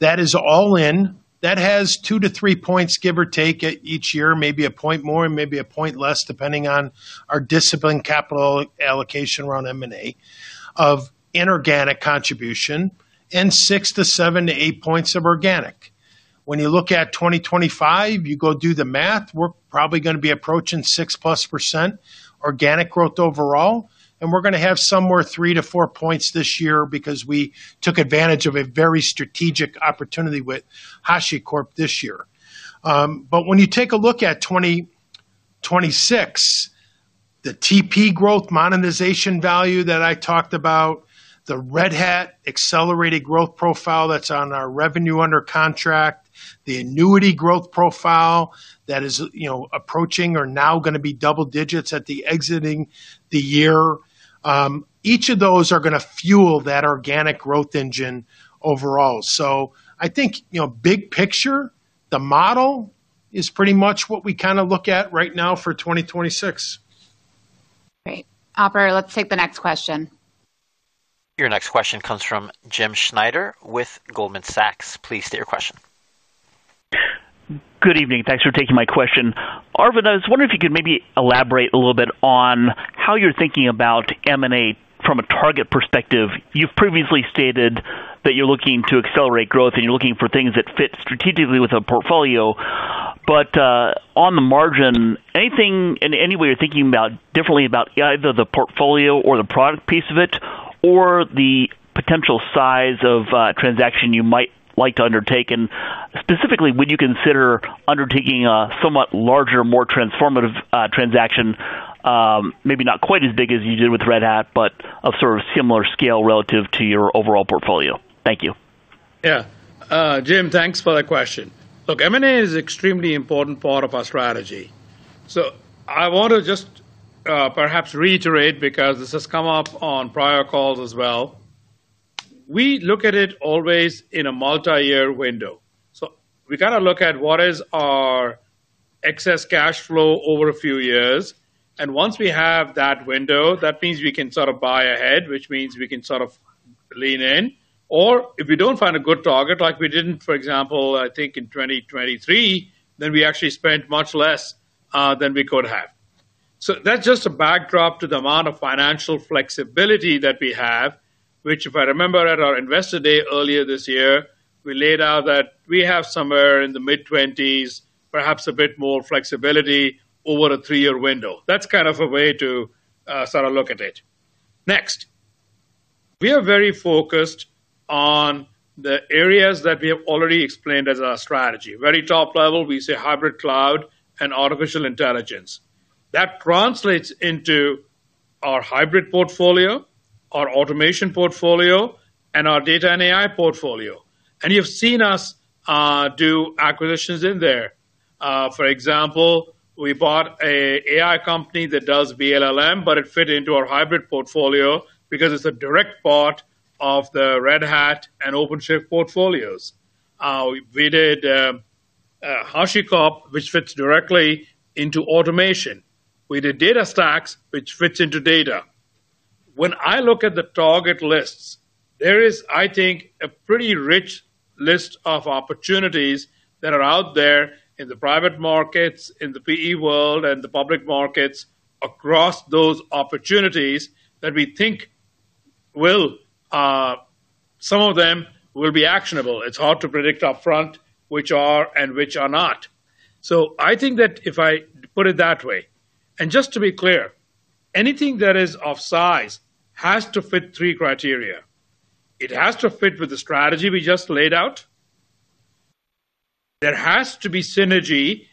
Speaker 4: that is all in, that has two to three points, give or take, at each year, maybe a point more and maybe a point less, depending on our discipline capital allocation around M&A of inorganic contribution and six to seven to eight points of organic. When you look at 2025, you go do the math, we're probably going to be approaching 6%+ organic growth overall, and we're going to have somewhere three to four points this year because we took advantage of a very strategic opportunity with HashiCorp this year. When you take a look at 2026, the TP growth monetization value that I talked about, the Red Hat accelerated growth profile that's on our revenue under contract, the annuity growth profile that is approaching or now going to be double digits at the exiting the year, each of those are going to fuel that organic growth engine overall. I think, you know, big picture, the model is pretty much what we kind of look at right now for 2026.
Speaker 2: Great. Operator, let's take the next question.
Speaker 1: Your next question comes from Jim Schneider with Goldman Sachs. Please state your question.
Speaker 9: Good evening. Thanks for taking my question. Arvind, I was wondering if you could maybe elaborate a little bit on how you're thinking about M&A from a target perspective. You've previously stated that you're looking to accelerate growth and you're looking for things that fit strategically with a portfolio. On the margin, anything in any way you're thinking about differently about either the portfolio or the product piece of it or the potential size of a transaction you might like to undertake? Specifically, would you consider undertaking a somewhat larger, more transformative transaction, maybe not quite as big as you did with Red Hat, but of sort of similar scale relative to your overall portfolio? Thank you.
Speaker 3: Yeah, Jim, thanks for that question. M&A is an extremely important part of our strategy. I want to just perhaps reiterate because this has come up on prior calls as well. We look at it always in a multi-year window. We got to look at what is our excess cash flow over a few years. Once we have that window, that means we can sort of buy ahead, which means we can sort of lean in. If we don't find a good target, like we didn't, for example, I think in 2023, then we actually spent much less than we could have. That's just a backdrop to the amount of financial flexibility that we have, which if I remember at our Investor Day earlier this year, we laid out that we have somewhere in the mid-20s, perhaps a bit more flexibility over a three-year window. That's kind of a way to sort of look at it. Next, we are very focused on the areas that we have already explained as our strategy. Very top level, we say hybrid cloud and artificial intelligence. That translates into our Hybrid portfolio, our Automation portfolio, and our Data and AI portfolio. You've seen us do acquisitions in there. For example, we bought an AI company that does B-LLM, but it fit into our Hybrid portfolio because it's a direct part of the Red Hat and OpenShift portfolios. We did HashiCorp, which fits directly into Automation. We did DataStax, which fits into Data. When I look at the target lists, there is, I think, a pretty rich list of opportunities that are out there in the private markets, in the PE world, and the public markets across those opportunities that we think will, some of them will be actionable. It's hard to predict upfront which are and which are not. I think that if I put it that way, and just to be clear, anything that is of size has to fit three criteria. It has to fit with the strategy we just laid out. There has to be synergy,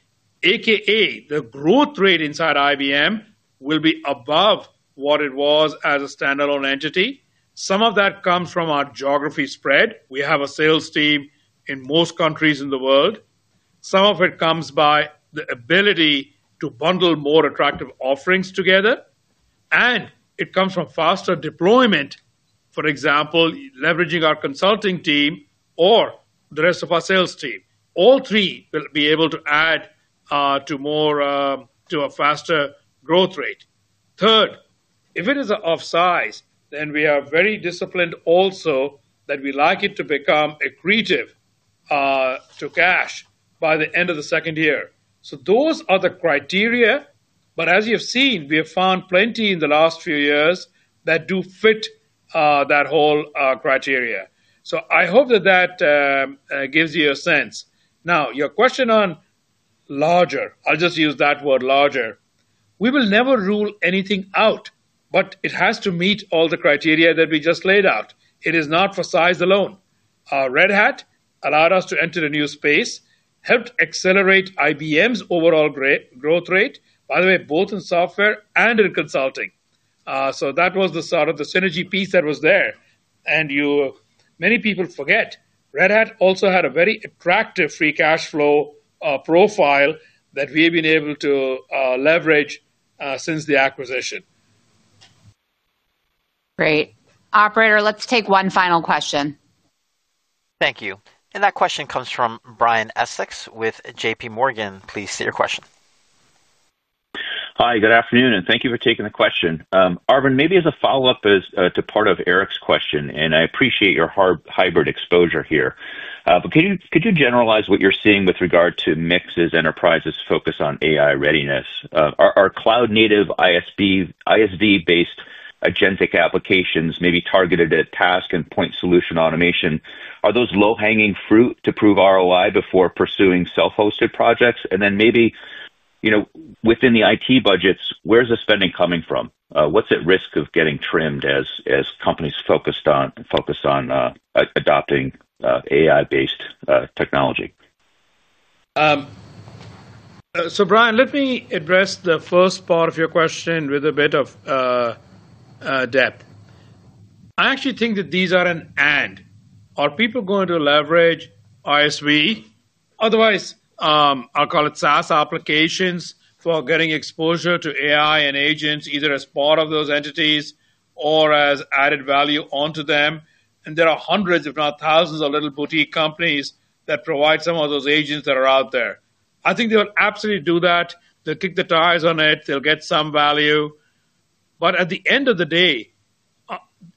Speaker 3: a.k.a. the growth rate inside IBM will be above what it was as a standalone entity. Some of that comes from our geography spread. We have a sales team in most countries in the world. Some of it comes by the ability to bundle more attractive offerings together. It comes from faster deployment, for example, leveraging our consulting team or the rest of our sales team. All three will be able to add to a faster growth rate. Third, if it is of size, then we are very disciplined also that we like it to become accretive to cash by the end of the second year. Those are the criteria. As you've seen, we have found plenty in the last few years that do fit that whole criteria. I hope that gives you a sense. Now, your question on larger, I'll just use that word, larger. We will never rule anything out, but it has to meet all the criteria that we just laid out. It is not for size alone. Red Hat allowed us to enter a new space, helped accelerate IBM's overall growth rate, by the way, both in Software and in Consulting. That was the sort of the synergy piece that was there. Many people forget, Red Hat also had a very attractive free cash flow profile that we have been able to leverage since the acquisition.
Speaker 2: Great. Operator, let's take one final question.
Speaker 1: Thank you. That question comes from Brian Essex with JPMorgan. Please state your question.
Speaker 10: Hi, good afternoon, and thank you for taking the question. Arvind, maybe as a follow-up to part of Erik's question, and I appreciate your hybrid exposure here, could you generalize what you're seeing with regard to mixes enterprises focus on AI readiness? Are cloud-native ISV-based agentic applications, maybe targeted at task and point solution automation, those low-hanging fruit to prove ROI before pursuing self-hosted projects? Within the IT budgets, where's the spending coming from? What's at risk of getting trimmed as companies focus on adopting AI-based technology?
Speaker 3: Brian, let me address the first part of your question with a bit of depth. I actually think that these are an and. Are people going to leverage ISV? Otherwise, I'll call it SaaS applications for getting exposure to AI and agents either as part of those entities or as added value onto them. There are hundreds, if not thousands, of little boutique companies that provide some of those agents that are out there. I think they will absolutely do that. They'll kick the tires on it. They'll get some value. At the end of the day,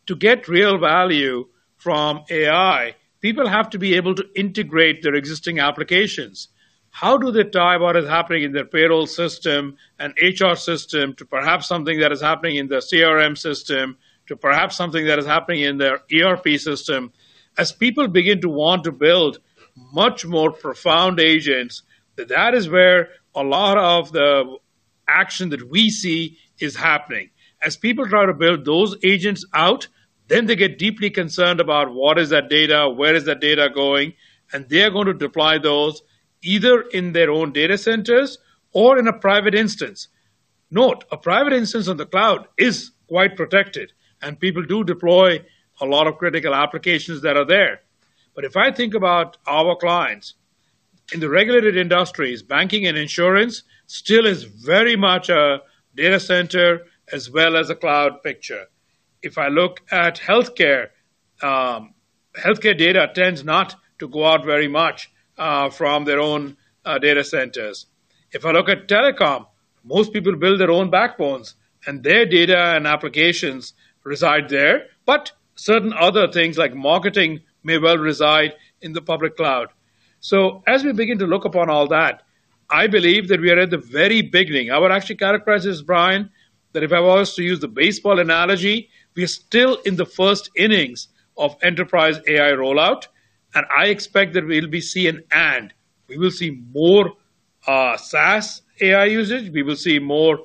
Speaker 3: to get real value from AI, people have to be able to integrate their existing applications. How do they tie what is happening in their payroll system and HR system to perhaps something that is happening in their CRM system to perhaps something that is happening in their ERP system? As people begin to want to build much more profound agents, that is where a lot of the action that we see is happening. As people try to build those agents out, they get deeply concerned about what is that data, where is that data going, and they are going to deploy those either in their own data centers or in a private instance. Note, a private instance on the cloud is quite protected, and people do deploy a lot of critical applications that are there. If I think about our clients, in the regulated industries, banking and insurance still is very much a data center as well as a cloud picture. If I look at healthcare, healthcare data tends not to go out very much from their own data centers. If I look at telecom, most people build their own backbones, and their data and applications reside there, but certain other things like marketing may well reside in the public cloud. As we begin to look upon all that, I believe that we are at the very beginning. I would actually characterize this, Brian, that if I was to use the baseball analogy, we are still in the first innings of enterprise AI rollout, and I expect that we'll be seeing an and. We will see more SaaS AI usage. We will see more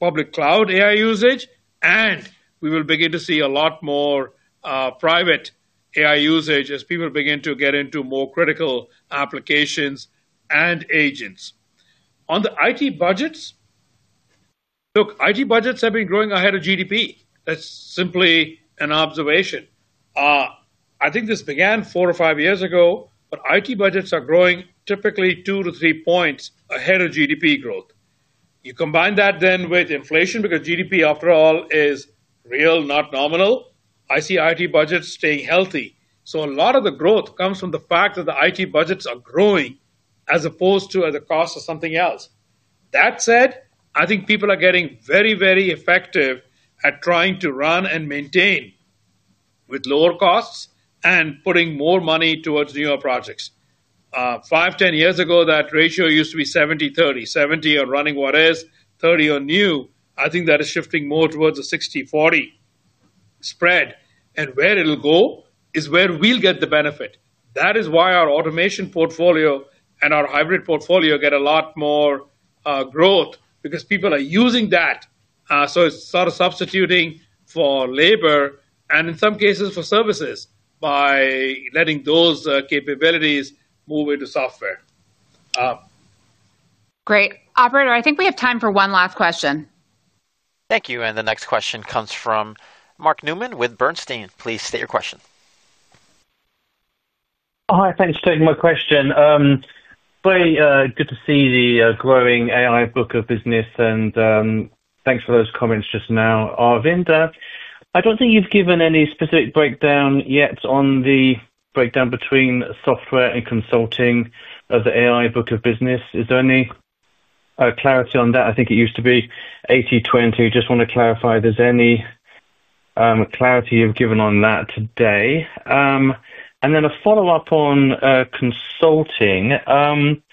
Speaker 3: public cloud AI usage, and we will begin to see a lot more private AI usage as people begin to get into more critical applications and agents. On the IT budgets, look, IT budgets have been growing ahead of GDP. That's simply an observation. I think this began four or five years ago, but IT budgets are growing typically two to three points ahead of GDP growth. You combine that then with inflation because GDP, after all, is real, not nominal. I see IT budgets staying healthy. A lot of the growth comes from the fact that the IT budgets are growing as opposed to at the cost of something else. That said, I think people are getting very, very effective at trying to run and maintain with lower costs and putting more money towards newer projects. Five, ten years ago, that ratio used to be 70/30. 70 are running what is, 30 are new. I think that is shifting more towards a 60/40 spread. Where it'll go is where we'll get the benefit. That is why our Automation portfolio and our hybrid portfolio get a lot more growth because people are using that. It is sort of substituting for labor and in some cases for services by letting those capabilities move into Software.
Speaker 2: Great. Operator, I think we have time for one last question.
Speaker 1: Thank you. The next question comes from Mark Newman with Bernstein. Please state your question.
Speaker 11: Oh, hi, thanks for taking my question. Very good to see the growing AI book of business, and thanks for those comments just now. Arvind, I don't think you've given any specific breakdown yet on the breakdown between Software and Consulting of the AI book of business. Is there any clarity on that? I think it used to be 80/20. Just want to clarify if there's any clarity you've given on that today. A follow-up on Consulting. I think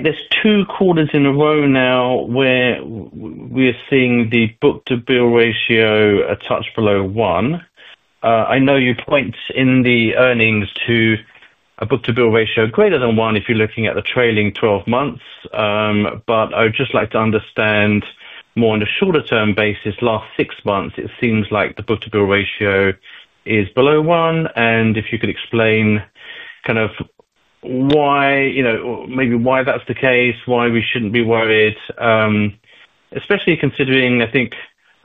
Speaker 11: there's two quarters in a row now where we're seeing the book-to-bill ratio a touch below one. I know you point in the earnings to a book-to-bill ratio greater than one if you're looking at the trailing 12 months, but I would just like to understand more on a shorter-term basis. Last six months, it seems like the book-to-bill ratio is below one. If you could explain kind of why, you know, maybe why that's the case, why we shouldn't be worried, especially considering I think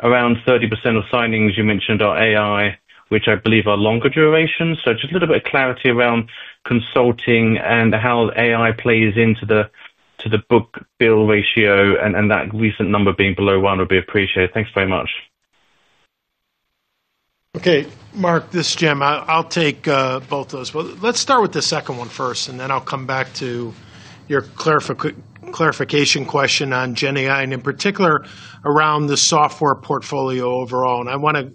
Speaker 11: around 30% of signings, you mentioned, are AI, which I believe are longer durations. Just a little bit of clarity around Consulting and how AI plays into the book-to-bill ratio, and that recent number being below one would be appreciated. Thanks very much.
Speaker 4: Okay, Mark, this is Jim. I'll take both of those. Let's start with the second one first, and then I'll come back to your clarification question on GenAI, and in particular around the Software portfolio overall. I want to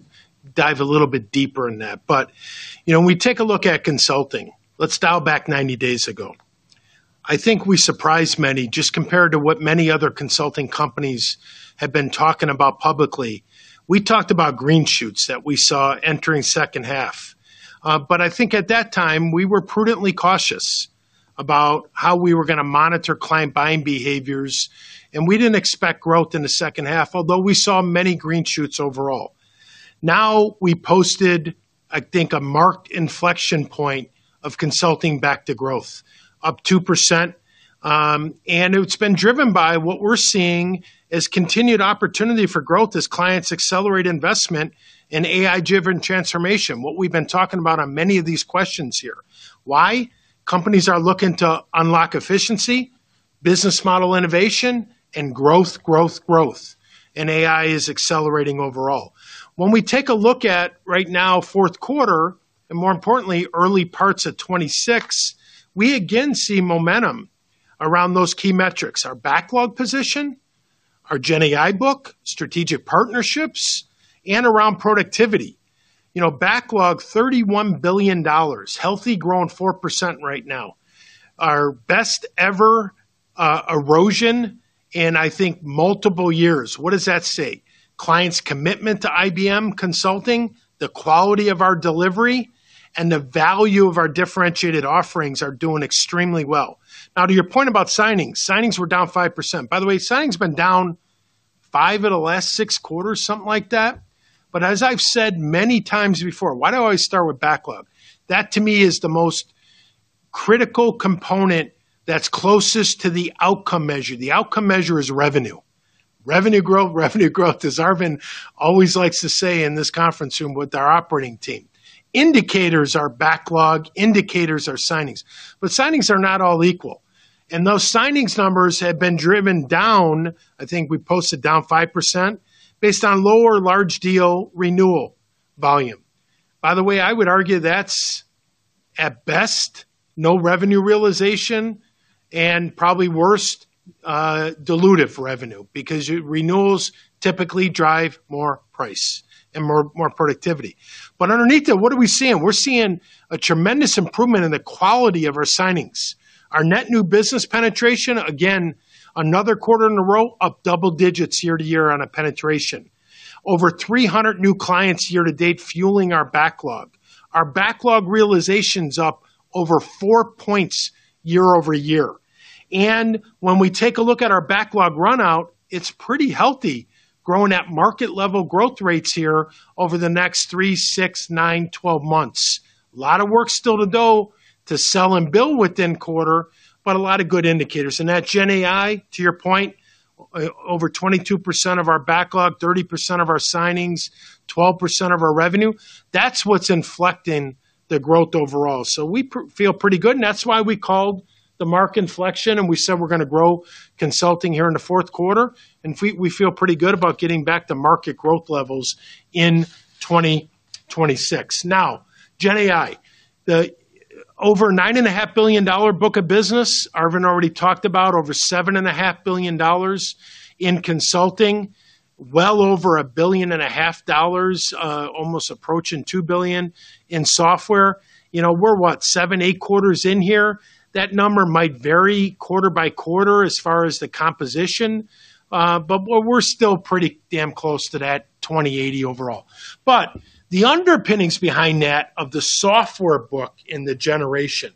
Speaker 4: dive a little bit deeper in that. When we take a look at Consulting, let's dial back 90 days ago. I think we surprised many just compared to what many other consulting companies had been talking about publicly. We talked about green shoots that we saw entering second half. At that time, we were prudently cautious about how we were going to monitor client buying behaviors, and we didn't expect growth in the second half, although we saw many green shoots overall. Now we posted, I think, a marked inflection point of consulting back to growth, up 2%. It's been driven by what we're seeing as continued opportunity for growth as clients accelerate investment in AI-driven transformation, what we've been talking about on many of these questions here. Why? Companies are looking to unlock efficiency, business model innovation, and growth, growth, growth. AI is accelerating overall. When we take a look at right now, fourth quarter, and more importantly, early parts of 2026, we again see momentum around those key metrics: our backlog position, our GenAI book, strategic partnerships, and around productivity. Backlog $31 billion, healthy growth 4% right now. Our best ever erosion in, I think, multiple years. What does that say? Clients' commitment to IBM Consulting, the quality of our delivery, and the value of our differentiated offerings are doing extremely well. To your point about signings, signings were down 5%. By the way, signings have been down five of the last six quarters, something like that. As I've said many times before, why do I always start with backlog? That, to me, is the most critical component that's closest to the outcome measure. The outcome measure is revenue. Revenue growth, revenue growth, as Arvind always likes to say in this conference room with our operating team. Indicators, our backlog, indicators are signings, but signings are not all equal. Those signings numbers have been driven down. I think we posted down 5% based on lower large deal renewal volume. By the way, I would argue that's at best no revenue realization and probably worst dilutive revenue because renewals typically drive more price and more productivity. Underneath that, what are we seeing? We're seeing a tremendous improvement in the quality of our signings. Our net new business penetration, again, another quarter in a row, up double digits year to year on a penetration. Over 300 new clients year to date fueling our backlog. Our backlog realization is up over four points year-over-year. When we take a look at our backlog runout, it's pretty healthy, growing at market level growth rates here over the next three, six, nine, 12 months. A lot of work still to do to sell and build within quarter, but a lot of good indicators. That GenAI, to your point, over 22% of our backlog, 30% of our signings, 12% of our revenue, that's what's inflecting the growth overall. We feel pretty good. That's why we called the market inflection and we said we're going to grow consulting here in the fourth quarter. We feel pretty good about getting back to market growth levels in 2026. Now, GenAI, the over $9.5 billion book of business, Arvind already talked about over $7.5 billion in Consulting, well over $1.5 billion, almost approaching $2 billion in Software. We're what, seven, eight quarters in here. That number might vary quarter by quarter as far as the composition. We're still pretty damn close to that [20/80] overall. The underpinnings behind that of the Software book in the generation,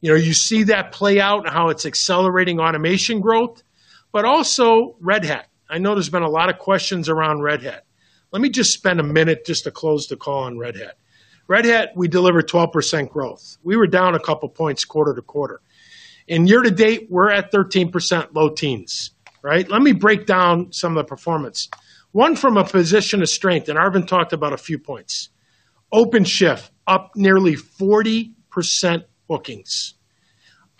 Speaker 4: you see that play out and how it's accelerating automation growth, but also Red Hat. I know there's been a lot of questions around Red Hat. Let me just spend a minute just to close the call on Red Hat. Red Hat, we delivered 12% growth. We were down a couple of points quarter to quarter. In year to date, we're at 13% low teens. Let me break down some of the performance. One from a position of strength, and Arvind talked about a few points. OpenShift, up nearly 40% bookings.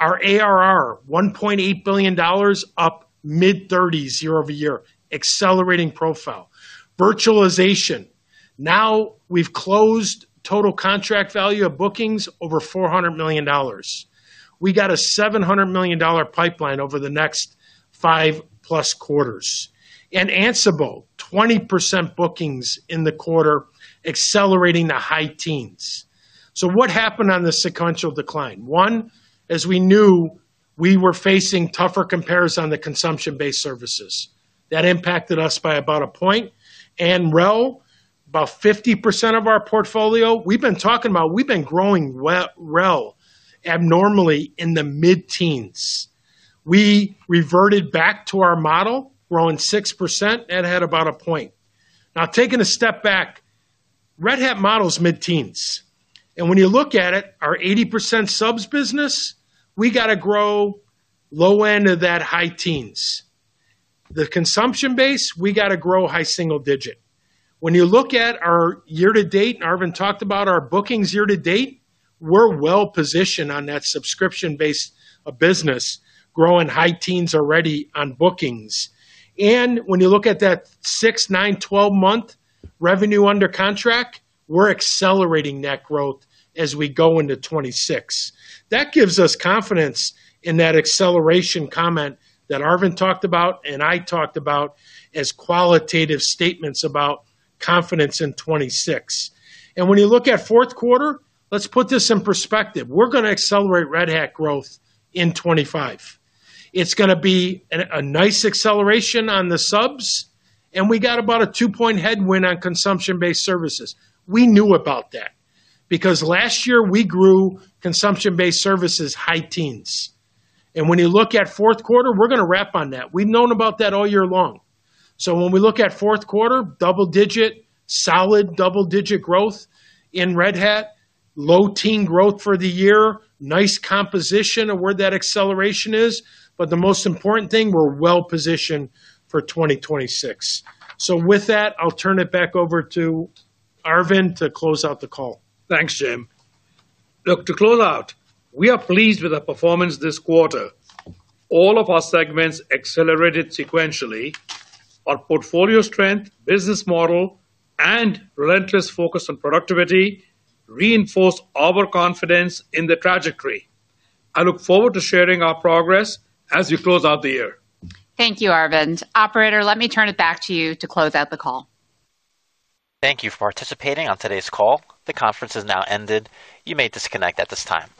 Speaker 4: Our ARR, $1.8 billion, up mid-30s year-over-year, accelerating profile. Virtualization, now we've closed total contract value of bookings over $400 million. We got a $700 million pipeline over the next 5+ quarters. Ansible, 20% bookings in the quarter, accelerating the high teens. What happened on the sequential decline? One, as we knew, we were facing tougher comparison on the consumption-based services. That impacted us by about a point. RHEL, about 50% of our portfolio, we've been talking about we've been growing RHEL abnormally in the mid-teens. We reverted back to our model, growing 6%, that had about a point. Taking a step back, Red Hat model's mid-teens. When you look at it, our 80% subs business, we got to grow low end of that high teens. The consumption base, we got to grow high single digit. When you look at our year to date, and Arvind talked about our bookings year to date, we're well positioned on that subscription-based business, growing high teens already on bookings. When you look at that six, nine, 12 month revenue under contract, we're accelerating that growth as we go into 2026. That gives us confidence in that acceleration comment that Arvind talked about and I talked about as qualitative statements about confidence in 2026. When you look at fourth quarter, let's put this in perspective. We're going to accelerate Red Hat growth in 2025. It's going to be a nice acceleration on the subs, and we got about a two-point headwind on consumption-based services. We knew about that because last year we grew consumption-based services high teens. When you look at fourth quarter, we're going to wrap on that. We've known about that all year long. When we look at fourth quarter, double digit, solid double digit growth in Red Hat, low teen growth for the year, nice composition of where that acceleration is. The most important thing, we're well positioned for 2026. With that, I'll turn it back over to Arvind to close out the call.
Speaker 3: Thanks, Jim. Look, to close out, we are pleased with the performance this quarter. All of our segments accelerated sequentially. Our portfolio strength, business model, and relentless focus on productivity reinforced our confidence in the trajectory. I look forward to sharing our progress as we close out the year.
Speaker 2: Thank you, Arvind. Operator, let me turn it back to you to close out the call.
Speaker 1: Thank you for participating on today's call. The conference has now ended. You may disconnect at this time.